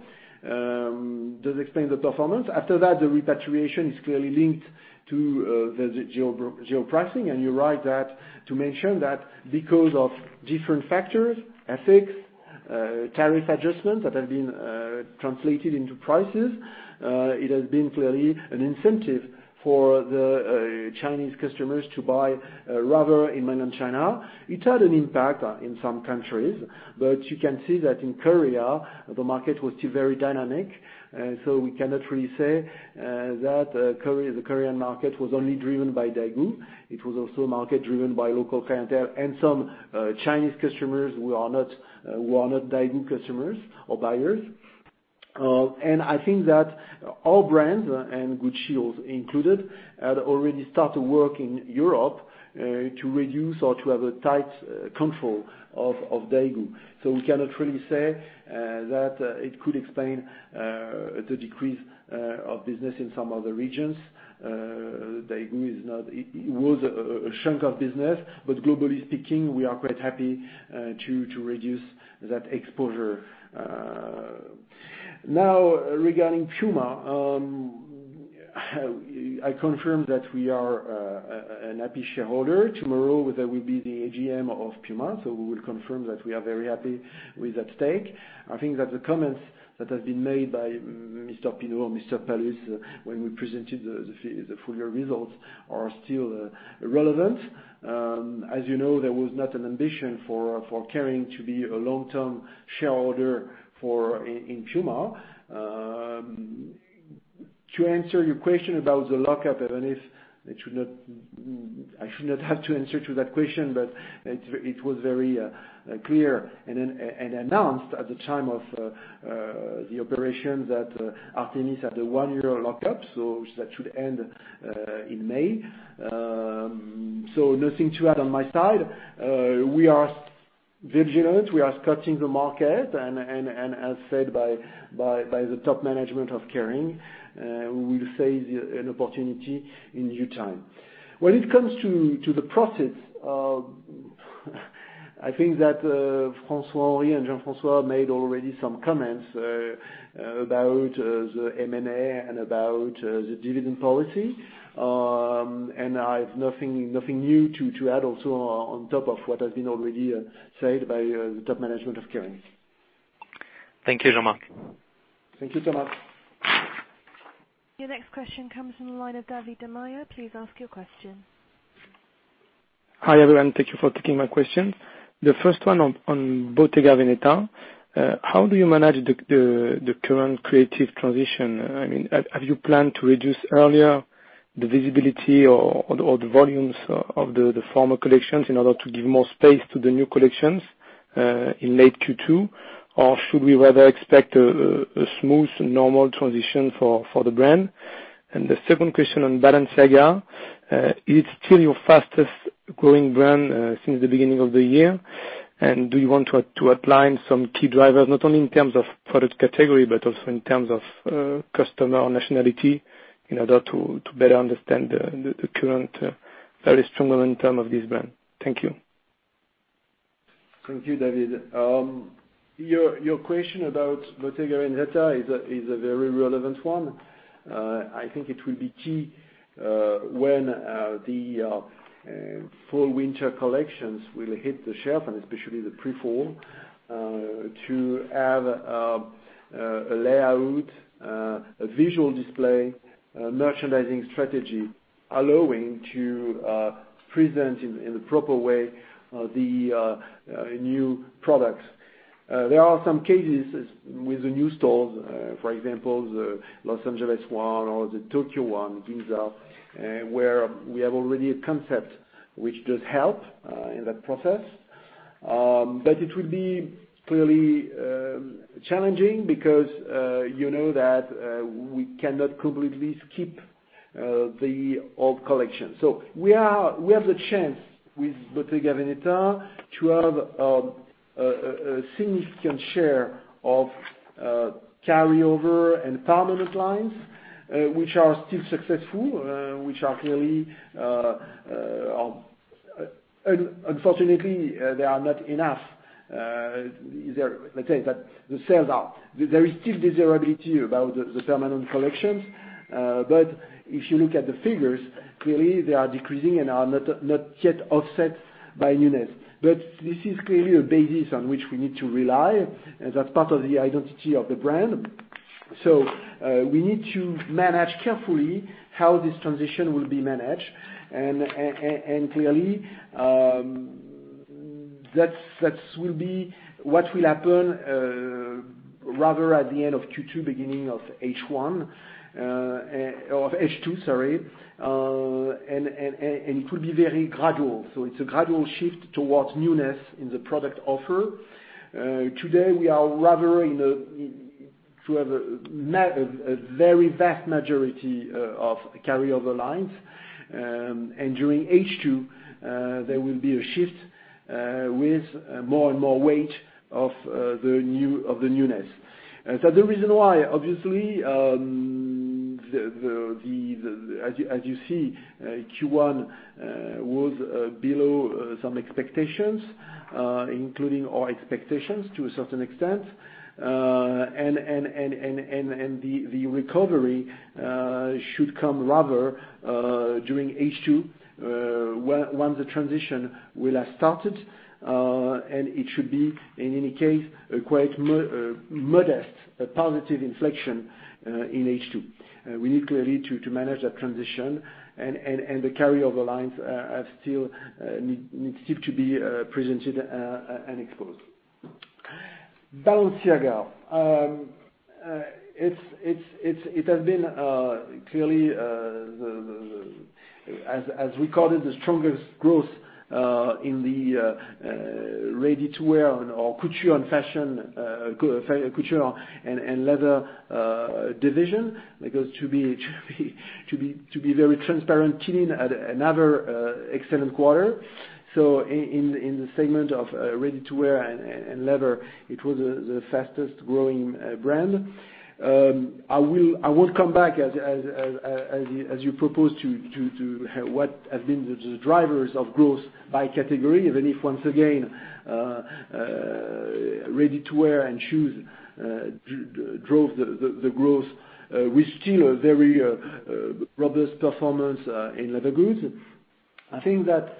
does explain the performance. After that, the repatriation is clearly linked to the geo-pricing. You're right to mention that because of different factors, FX, tariff adjustments that have been translated into prices, it has been clearly an incentive for the Chinese customers to buy rather in mainland China. It had an impact in some countries. You can see that in Korea, the market was still very dynamic. We cannot really say that the Korean market was only driven by Daigou. It was also a market driven by local clientele and some Chinese customers who are not Daigou customers or buyers. I think that all brands, and Gucci included, had already started work in Europe, to reduce or to have a tight control of Daigou. We cannot really say that it could explain the decrease of business in some other regions. Daigou was a chunk of business, but globally speaking, we are quite happy to reduce that exposure. Regarding Puma. I confirm that we are a happy shareholder. Tomorrow, there will be the AGM of Puma. We will confirm that we are very happy with that stake. I think that the comments that have been made by Mr. Pinault or Jean-François Palus when we presented the full year results are still relevant. As you know, there was not an ambition for Kering to be a long-term shareholder in Puma. To answer your question about the lockup, even if I should not have to answer to that question, but it was very clear and announced at the time of the operation that Artémis had a one-year lockup. That should end in May. Nothing to add on my side. We are vigilant. We are scouting the market, and as said by the top management of Kering, we will seize an opportunity in due time. When it comes to the process, I think that François-Henri and Jean-François made already some comments about the M&A and about the dividend policy. I've nothing new to add also on top of what has been already said by the top management of Kering. Thank you, Jean-Marc. Thank you so much. Your next question comes from the line of David Da Maia. Please ask your question. Hi, everyone. Thank you for taking my question. The first one on Bottega Veneta. How do you manage the current creative transition? Have you planned to reduce earlier the visibility or the volumes of the former collections in order to give more space to the new collections, in late Q2? Or should we rather expect a smooth normal transition for the brand? The second question on Balenciaga. It is still your fastest growing brand, since the beginning of the year. Do you want to outline some key drivers, not only in terms of product category, but also in terms of customer nationality in order to better understand the current very strong momentum of this brand. Thank you. Thank you, David. Your question about Bottega Veneta is a very relevant one. I think it will be key, when the fall-winter collections will hit the shelf, and especially the pre-fall, to have a layout, a visual display, a merchandising strategy allowing to present in the proper way the new products. There are some cases with the new stores, for example, the Los Angeles one or the Tokyo one, Ginza, where we have already a concept which does help in that process. It will be clearly challenging because you know that we cannot completely skip the old collection. We have the chance with Bottega Veneta to have a significant share of carryover and permanent lines, which are still successful. Unfortunately, they are not enough. Let's say that there is still desirability about the permanent collections. If you look at the figures, clearly they are decreasing and are not yet offset by newness. This is clearly a basis on which we need to rely, as that is part of the identity of the brand. We need to manage carefully how this transition will be managed. Clearly, that will be what will happen rather at the end of Q2, beginning of H1, or H2, sorry. It will be very gradual. It is a gradual shift towards newness in the product offer. Today, we are rather in to have a very vast majority of carryover lines. During H2, there will be a shift with more and more weight of the newness. The reason why, obviously, as you see, Q1 was below some expectations, including our expectations to a certain extent. The recovery should come rather during H2, once the transition will have started. It should be, in any case, a quite modest positive inflection in H2. We need clearly to manage that transition, and the carryover lines still need to be presented and exposed. Balenciaga. It has been clearly, as recorded, the strongest growth in the ready-to-wear or couture and leather division. To be very transparent, Celine had another excellent quarter. In the segment of ready-to-wear and leather, it was the fastest-growing brand. I will come back as you propose to what have been the drivers of growth by category, even if, once again, ready-to-wear and shoes drove the growth with still a very robust performance in leather goods. I think that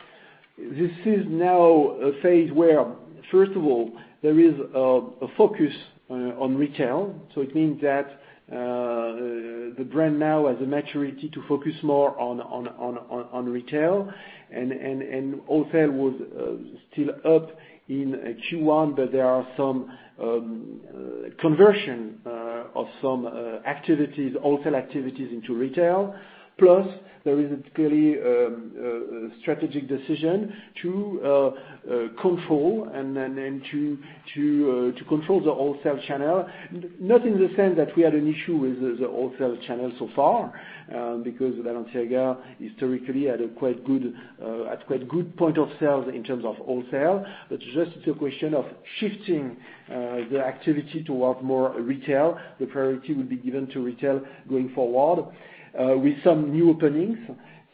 this is now a phase where, first of all, there is a focus on retail. It means that the brand now has the maturity to focus more on retail, and wholesale was still up in Q1, but there are some conversion of some wholesale activities into retail. There is clearly a strategic decision to control the wholesale channel. Not in the sense that we had an issue with the wholesale channel so far, because Balenciaga historically had a quite good point of sale in terms of wholesale, but just the question of shifting the activity towards more retail. The priority will be given to retail going forward, with some new openings.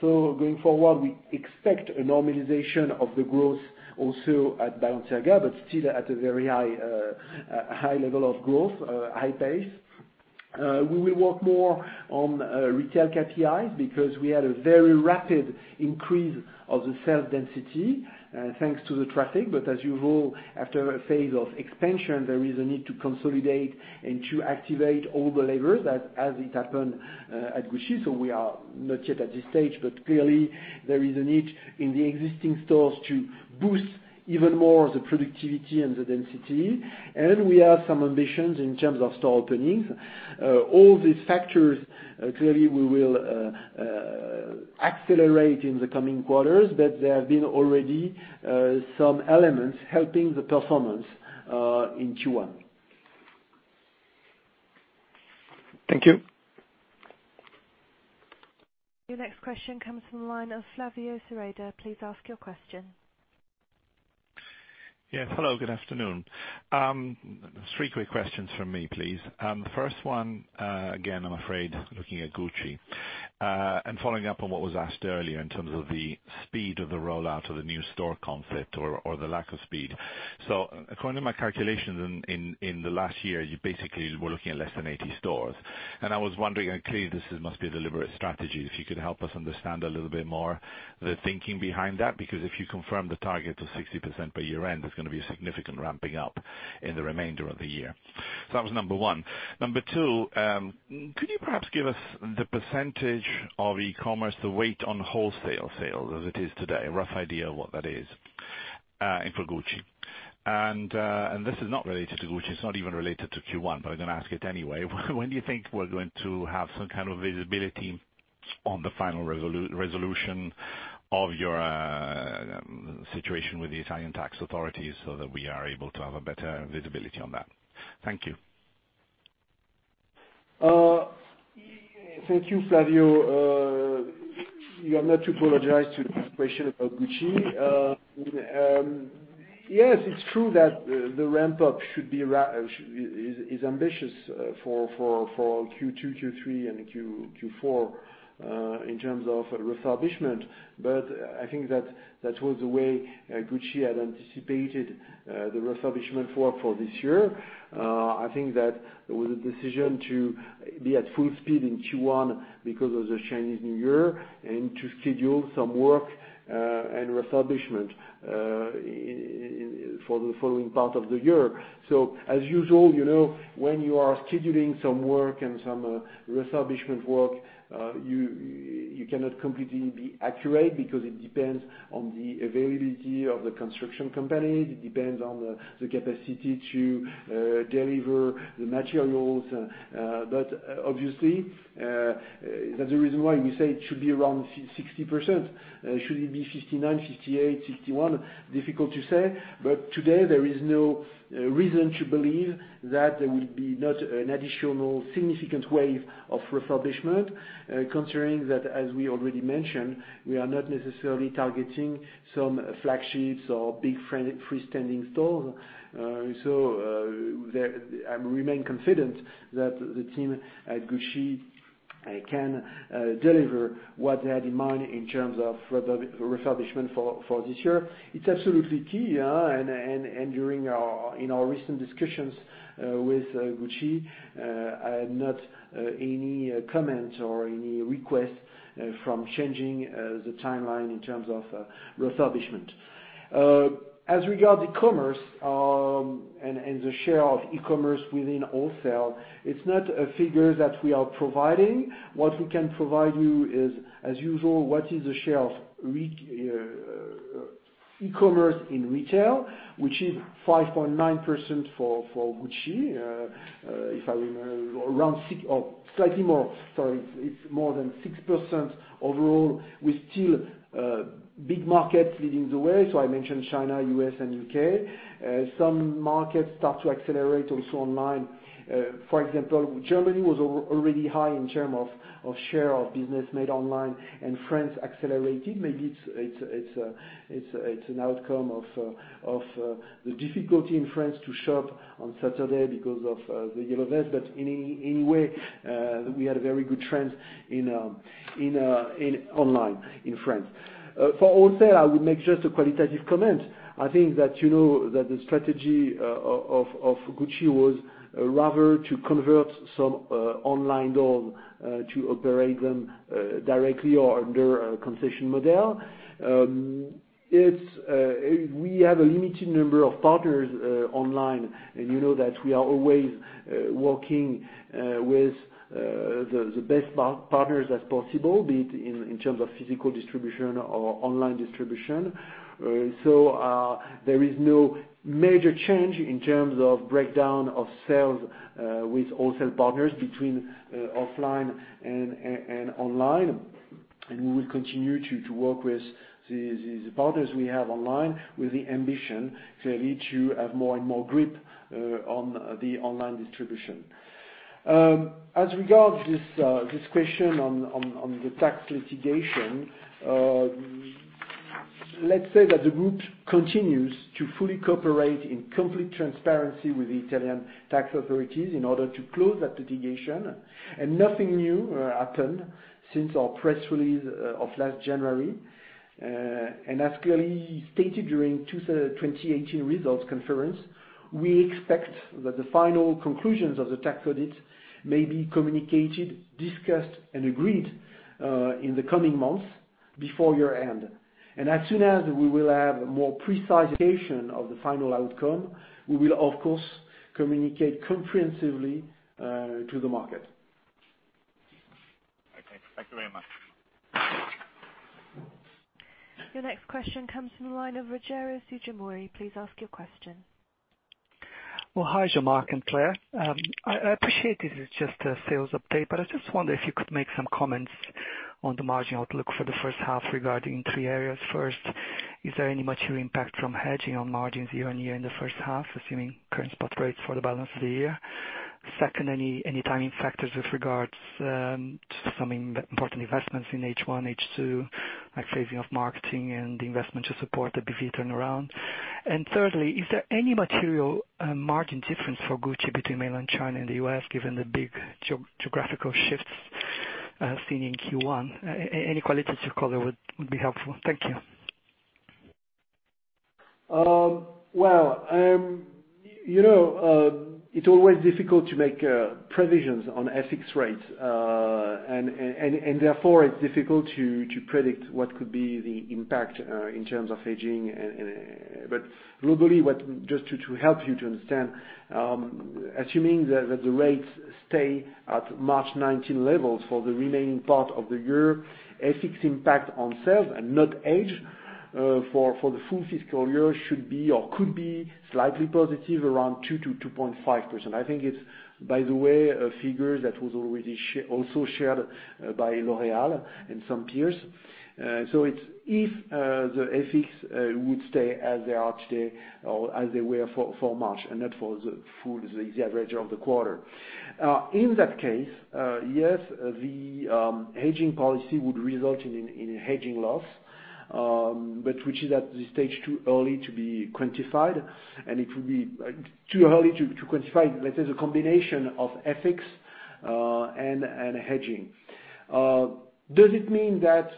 Going forward, we expect a normalization of the growth also at Balenciaga, but still at a very high level of growth, high pace. We will work more on retail KPIs because we had a very rapid increase of the sales density, thanks to the traffic. As you know, after a phase of expansion, there is a need to consolidate and to activate all the levers as it happened at Gucci. We are not yet at this stage, but clearly, there is a need in the existing stores to boost even more the productivity and the density. We have some ambitions in terms of store openings. All these factors, clearly, we will accelerate in the coming quarters, but there have been already some elements helping the performance in Q1. Thank you. Your next question comes from the line of Flavio Cereda. Please ask your question. Yeah. Hello, good afternoon. Three quick questions from me, please. The first one, again, I'm afraid, looking at Gucci. Following up on what was asked earlier in terms of the speed of the rollout of the new store concept or the lack of speed. According to my calculations in the last year, you basically were looking at less than 80 stores. I was wondering, and clearly this must be a deliberate strategy, if you could help us understand a little bit more the thinking behind that, because if you confirm the target to 60% by year-end, there's going to be a significant ramping up in the remainder of the year. That was number one. Number two, could you perhaps give us the percentage of e-commerce, the weight on wholesale sales as it is today, a rough idea of what that is, and for Gucci. This is not related to Gucci, it's not even related to Q1, I'm going to ask it anyway. When do you think we're going to have some kind of visibility on the final resolution of your situation with the Italian tax authorities so that we are able to have a better visibility on that? Thank you. Thank you, Flavio. You are not to apologize to this question about Gucci. Yes, it's true that the ramp-up is ambitious for Q2, Q3, and Q4, in terms of refurbishment. I think that that was the way Gucci had anticipated the refurbishment for this year. I think that there was a decision to be at full speed in Q1 because of the Chinese New Year and to schedule some work and refurbishment for the following part of the year. As usual, when you are scheduling some work and some refurbishment work, you cannot completely be accurate because it depends on the availability of the construction company, it depends on the capacity to deliver the materials. Obviously, that's the reason why we say it should be around 60%. Should it be 59%, 58%, 61%? Difficult to say. Today, there is no reason to believe that there will be not an additional significant wave of refurbishment, considering that, as we already mentioned, we are not necessarily targeting some flagships or big freestanding stores. I remain confident that the team at Gucci can deliver what they had in mind in terms of refurbishment for this year. It's absolutely key. In our recent discussions with Gucci, not any comments or any requests from changing the timeline in terms of refurbishment. As regards to e-commerce, and the share of e-commerce within wholesale, it's not a figure that we are providing. What we can provide you is, as usual, what is the share of e-commerce in retail, which is 5.9% for Gucci. If I remember, slightly more. Sorry. It's more than 6% overall, with still big markets leading the way. I mentioned China, U.S., and U.K. Some markets start to accelerate also online. For example, Germany was already high in terms of share of business made online, and France accelerated. Maybe it's an outcome of the difficulty in France to shop on Saturday because of the yellow vest. Anyway, we had a very good trend in online in France. For wholesale, I would make just a qualitative comment. I think that the strategy of Gucci was rather to convert some online store to operate them directly or under a concession model. We have a limited number of partners online, and you know that we are always working with the best partners as possible, be it in terms of physical distribution or online distribution. There is no major change in terms of breakdown of sales with wholesale partners between offline and online. We will continue to work with the partners we have online with the ambition, clearly, to have more and more grip on the online distribution. As regards this question on the tax litigation, let's say that the group continues to fully cooperate in complete transparency with the Italian tax authorities in order to close that litigation. Nothing new happened since our press release of last January. As clearly stated during 2018 results conference, we expect that the final conclusions of the tax audit may be communicated, discussed, and agreed, in the coming months before year end. As soon as we will have more precise indication of the final outcome, we will, of course, communicate comprehensively to the market. Okay. Thank you very much. Your next question comes from the line of Rogerio Fujimori. Please ask your question. Well, hi, Jean-Marc and Claire. I appreciate this is just a sales update, but I just wonder if you could make some comments on the margin outlook for the first half regarding three areas. First, is there any material impact from hedging on margins year-over-year in the first half, assuming current spot rates for the balance of the year? Secondly, any timing factors with regards to some important investments in H1, H2, like phasing of marketing and the investment to support the BV turnaround? Thirdly, is there any material margin difference for Gucci between mainland China and the U.S., given the big geographical shifts seen in Q1? Any qualitative color would be helpful. Thank you. Well, it's always difficult to make provisions on FX rates. Therefore, it's difficult to predict what could be the impact, in terms of hedging. Globally, just to help you to understand, assuming that the rates stay at March 2019 levels for the remaining part of the year, FX impact on sales and not hedge, for the full fiscal year should be or could be slightly positive around 2%-2.5%. I think it's, by the way, a figure that was also shared by L'Oréal and some peers. If the FX would stay as they are today or as they were for March, and not for the average of the quarter. In that case, yes, the hedging policy would result in a hedging loss. Which is at this stage too early to be quantified, and it will be too early to quantify, let's say, the combination of FX and hedging. Does it mean that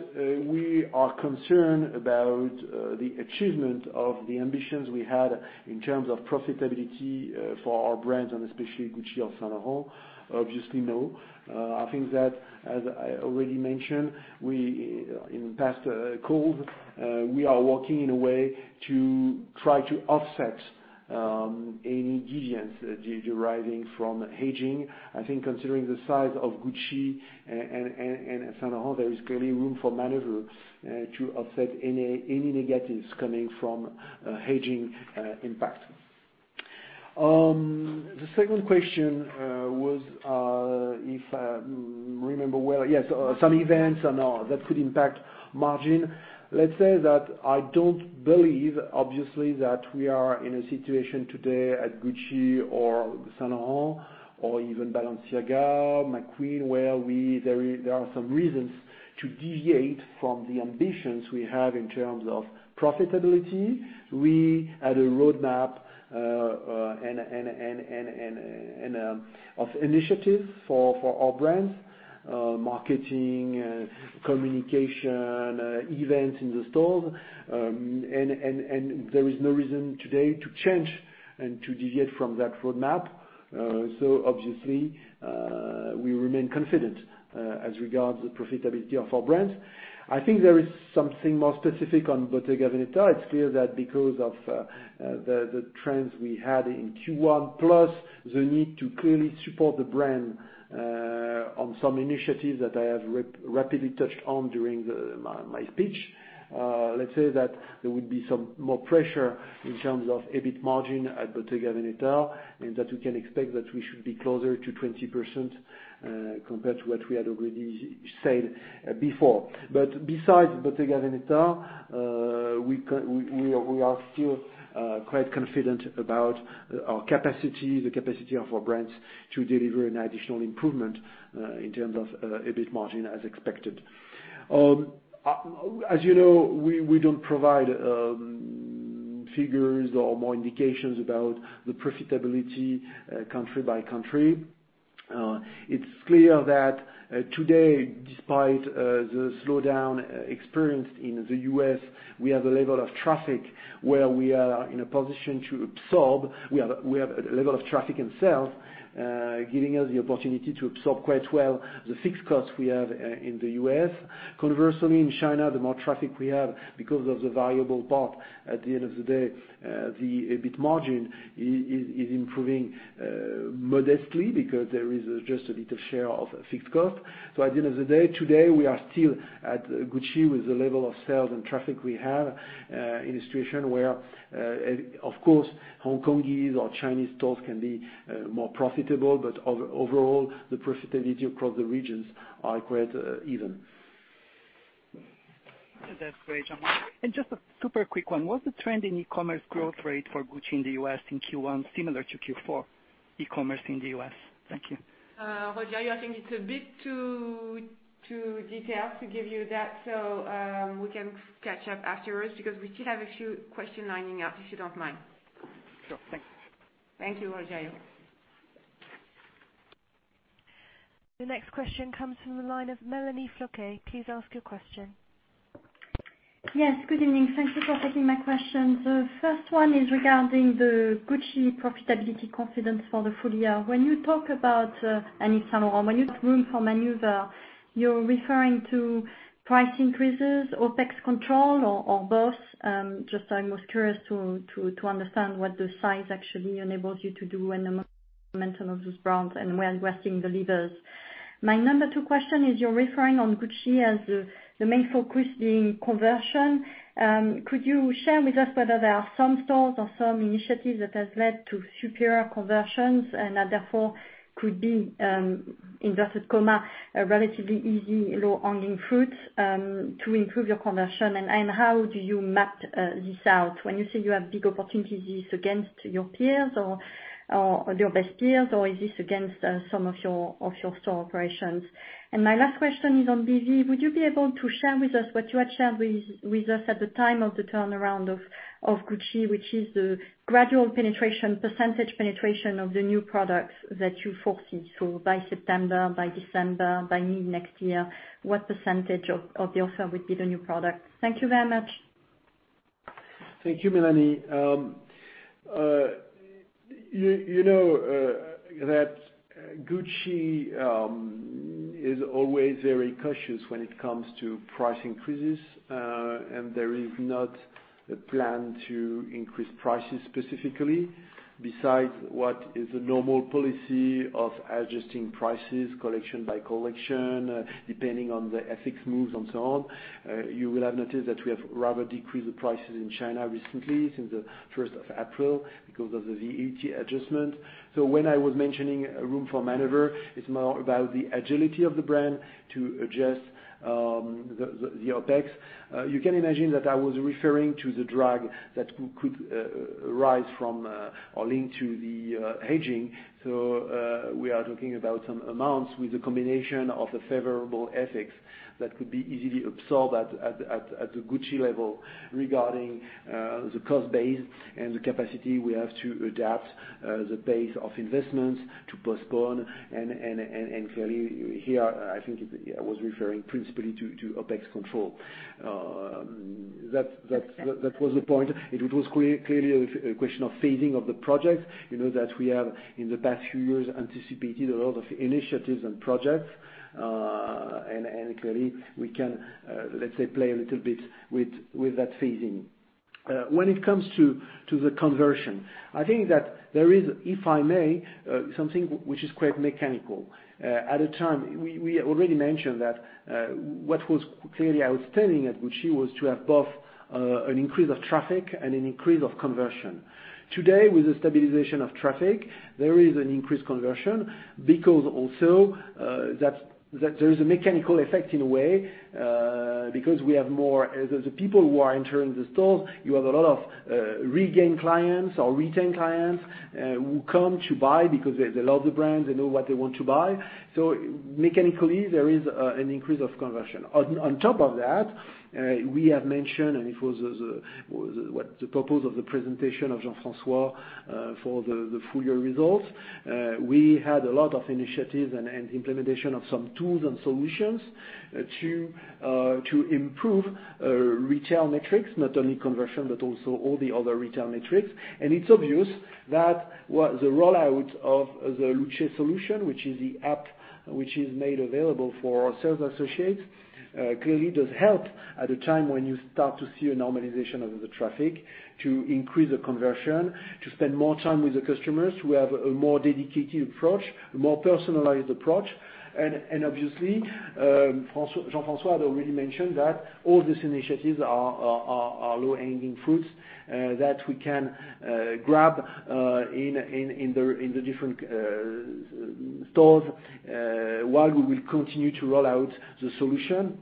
we are concerned about the achievement of the ambitions we had in terms of profitability for our brands and especially Gucci and Saint Laurent? Obviously, no. I think that, as I already mentioned in past calls, we are working in a way to try to offset any deviance deriving from hedging. I think considering the size of Gucci and Saint Laurent, there is clearly room for maneuver to offset any negatives coming from hedging impact. The second question was if, I remember well, yes, some events that could impact margin. Let's say that I don't believe, obviously, that we are in a situation today at Gucci or Saint Laurent or even Balenciaga, McQueen, where there are some reasons to deviate from the ambitions we have in terms of profitability. We had a roadmap of initiatives for our brands, marketing, communication, events in the stores. There is no reason today to change and to deviate from that roadmap. Obviously, we remain confident as regards the profitability of our brands. I think there is something more specific on Bottega Veneta. It's clear that because of the trends we had in Q1, plus the need to clearly support the brand on some initiatives that I have rapidly touched on during my speech. Let's say that there would be some more pressure in terms of EBIT margin at Bottega Veneta, and that we can expect that we should be closer to 20% compared to what we had already said before. Besides Bottega Veneta, we are still quite confident about our capacity, the capacity of our brands to deliver an additional improvement in terms of EBIT margin as expected. As you know, we don't provide figures or more indications about the profitability country by country. It's clear that today, despite the slowdown experienced in the U.S., we have a level of traffic where we are in a position to absorb. We have a level of traffic and sales, giving us the opportunity to absorb quite well the fixed costs we have in the U.S. Conversely, in China, the more traffic we have because of the variable part at the end of the day, the EBIT margin is improving modestly because there is just a little share of fixed cost. At the end of the day, today, we are still at Gucci with the level of sales and traffic we have in a situation where, of course, Hong Kongese or Chinese stores can be more profitable. Overall, the profitability across the regions are quite even. That's great, Jean-Marc. Just a super quick one. Was the trend in e-commerce growth rate for Gucci in the U.S. in Q1 similar to Q4 e-commerce in the U.S.? Thank you. Roger, I think it's a bit too detailed to give you that. We can catch up afterwards because we still have a few questions lining up, if you don't mind. Sure. Thanks. Thank you, Roger. The next question comes from the line of Mélanie Flouquet. Please ask your question. Yes, good evening. Thank you for taking my question. The first one is regarding the Gucci profitability confidence for the full year. When you talk about any room for maneuver, you're referring to price increases, OpEx control, or both? I was curious to understand what the size actually enables you to do and the momentum of this brand and where we're seeing the levers. My number 2 question is, you're referring on Gucci as the main focus being conversion. Could you share with us whether there are some stores or some initiatives that has led to superior conversions and that therefore could be, "relatively easy, low-hanging fruits" to improve your conversion? How do you map this out when you say you have big opportunities against your peers or your best peers, or is this against some of your store operations? My last question is on BV. Would you be able to share with us what you had shared with us at the time of the turnaround of Gucci, which is the gradual percentage penetration of the new products that you foresee. By September, by December, by mid-next year, what percentage of the offer would be the new product? Thank you very much. Thank you, Mélanie. You know that Gucci is always very cautious when it comes to price increases. There is not a plan to increase prices specifically besides what is the normal policy of adjusting prices collection by collection, depending on the FX moves and so on. You will have noticed that we have rather decreased the prices in China recently since the 1st of April because of the VAT adjustment. When I was mentioning room for maneuver, it's more about the agility of the brand to adjust the OpEx. You can imagine that I was referring to the drag that could rise from or link to the hedging. We are talking about some amounts with the combination of the favorable FX that could be easily absorbed at the Gucci level regarding the cost base and the capacity we have to adapt the pace of investments to postpone. Clearly here, I think I was referring principally to OpEx control. That was the point. It was clearly a question of phasing of the project, that we have in the past few years anticipated a lot of initiatives and projects. Clearly we can, let's say, play a little bit with that phasing. When it comes to the conversion, I think that there is, if I may, something which is quite mechanical. At the time, we already mentioned that what was clearly outstanding at Gucci was to have both an increase of traffic and an increase of conversion. Today, with the stabilization of traffic, there is an increased conversion, because also there is a mechanical effect in a way, because the people who are entering the stores, you have a lot of regained clients or retained clients, who come to buy because they love the brand, they know what they want to buy. Mechanically, there is an increase of conversion. On top of that, we have mentioned, and it was the purpose of the presentation of Jean-François for the full year results. We had a lot of initiatives and implementation of some tools and solutions to improve retail metrics, not only conversion, but also all the other retail metrics. It's obvious that the rollout of the Luce solution, which is the app which is made available for sales associates, clearly does help at a time when you start to see a normalization of the traffic, to increase the conversion, to spend more time with the customers, to have a more dedicated approach, a more personalized approach. Obviously, Jean-François had already mentioned that all these initiatives are low-hanging fruits that we can grab in the different stores, while we will continue to roll out the solution.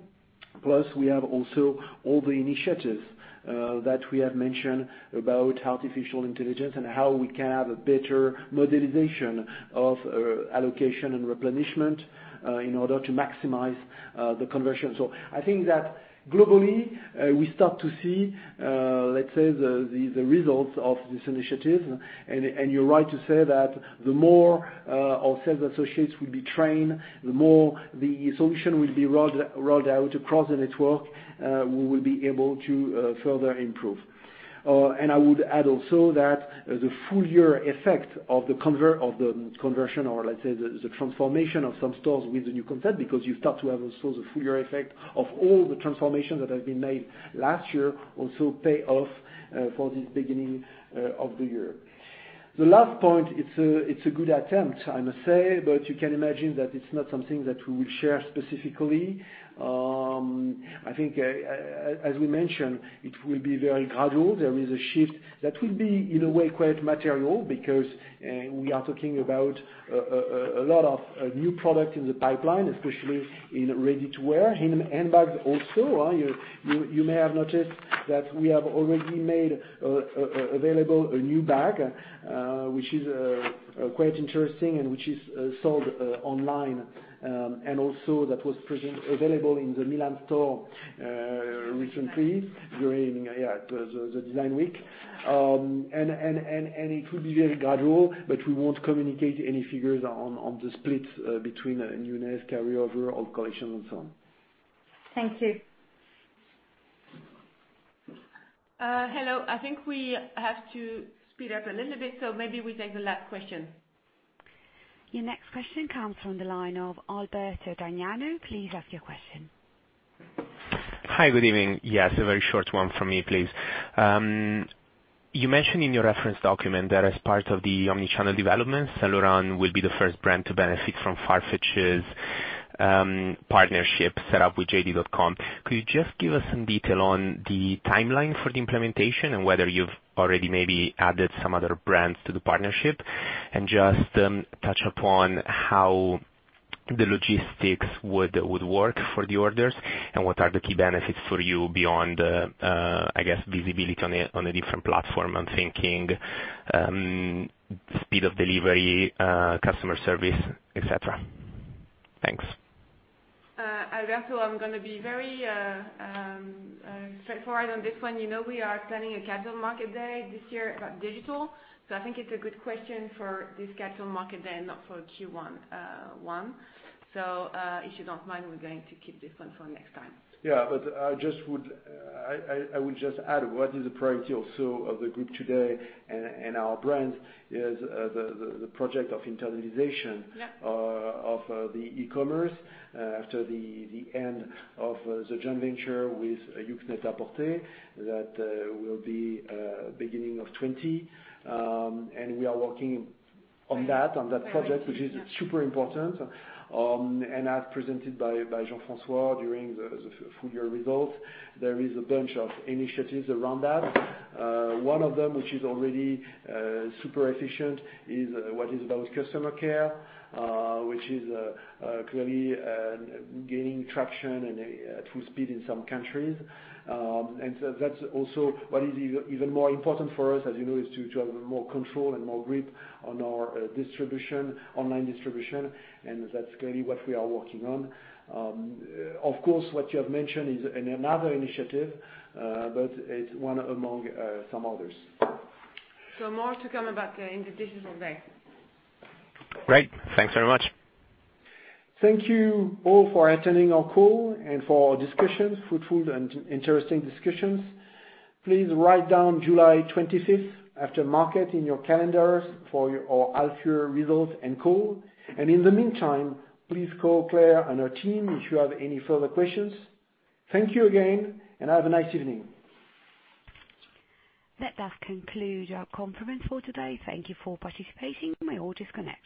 We have also all the initiatives that we have mentioned about artificial intelligence and how we can have a better modelization of allocation and replenishment, in order to maximize the conversion. I think that globally, we start to see, let's say, the results of this initiative. You're right to say that the more our sales associates will be trained, the more the solution will be rolled out across the network, we will be able to further improve. I would add also that the full year effect of the conversion, or let's say, the transformation of some stores with the new concept, because you start to have also the full year effect of all the transformations that have been made last year, also pay off for this beginning of the year. The last point, it's a good attempt, I must say, but you can imagine that it's not something that we will share specifically. I think, as we mentioned, it will be very gradual. There is a shift that will be, in a way, quite material, because we are talking about a lot of new product in the pipeline, especially in ready-to-wear, in handbags also. You may have noticed that we have already made available a new bag, which is quite interesting and which is sold online. Also that was available in the Milan store recently during the Design Week. It will be very gradual, but we won't communicate any figures on the split between newness, carry-over, old collection and so on. Thank you. Hello. I think we have to speed up a little bit, so maybe we take the last question. Your next question comes from the line of Alberto D'Agnano. Please ask your question. Hi. Good evening. Yes, a very short one from me, please. You mentioned in your reference document that as part of the omni-channel development, Saint Laurent will be the first brand to benefit from Farfetch's partnership set up with JD.com. Could you just give us some detail on the timeline for the implementation and whether you've already maybe added some other brands to the partnership? Just touch upon how the logistics would work for the orders, and what are the key benefits for you beyond, I guess, visibility on a different platform. I'm thinking speed of delivery, customer service, et cetera. Thanks. Alberto, I'm going to be very straightforward on this one. You know we are planning a capital market day this year about digital, I think it's a good question for this capital market day and not for Q1. If you don't mind, we're going to keep this one for next time. Yeah. I would just add what is a priority also of the group today and our brand is the project of internalization- Yeah of the e-commerce after the end of the joint venture with YOOX NET-A-PORTER, that will be beginning of 2020. We are working on that project, which is super important. As presented by Jean-François during the full year results, there is a bunch of initiatives around that. One of them, which is already super efficient, is what is about customer care, which is clearly gaining traction and full speed in some countries. That's also what is even more important for us, as you know, is to have more control and more grip on our online distribution, and that's clearly what we are working on. Of course, what you have mentioned is another initiative, but it's one among some others. More to come about in the digital day. Great. Thanks very much. Thank you all for attending our call and for our discussions, fruitful and interesting discussions. Please write down July 25th after market in your calendars for our half year results and call. In the meantime, please call Claire and her team if you have any further questions. Thank you again, and have a nice evening. That does conclude our conference for today. Thank you for participating. You may all disconnect.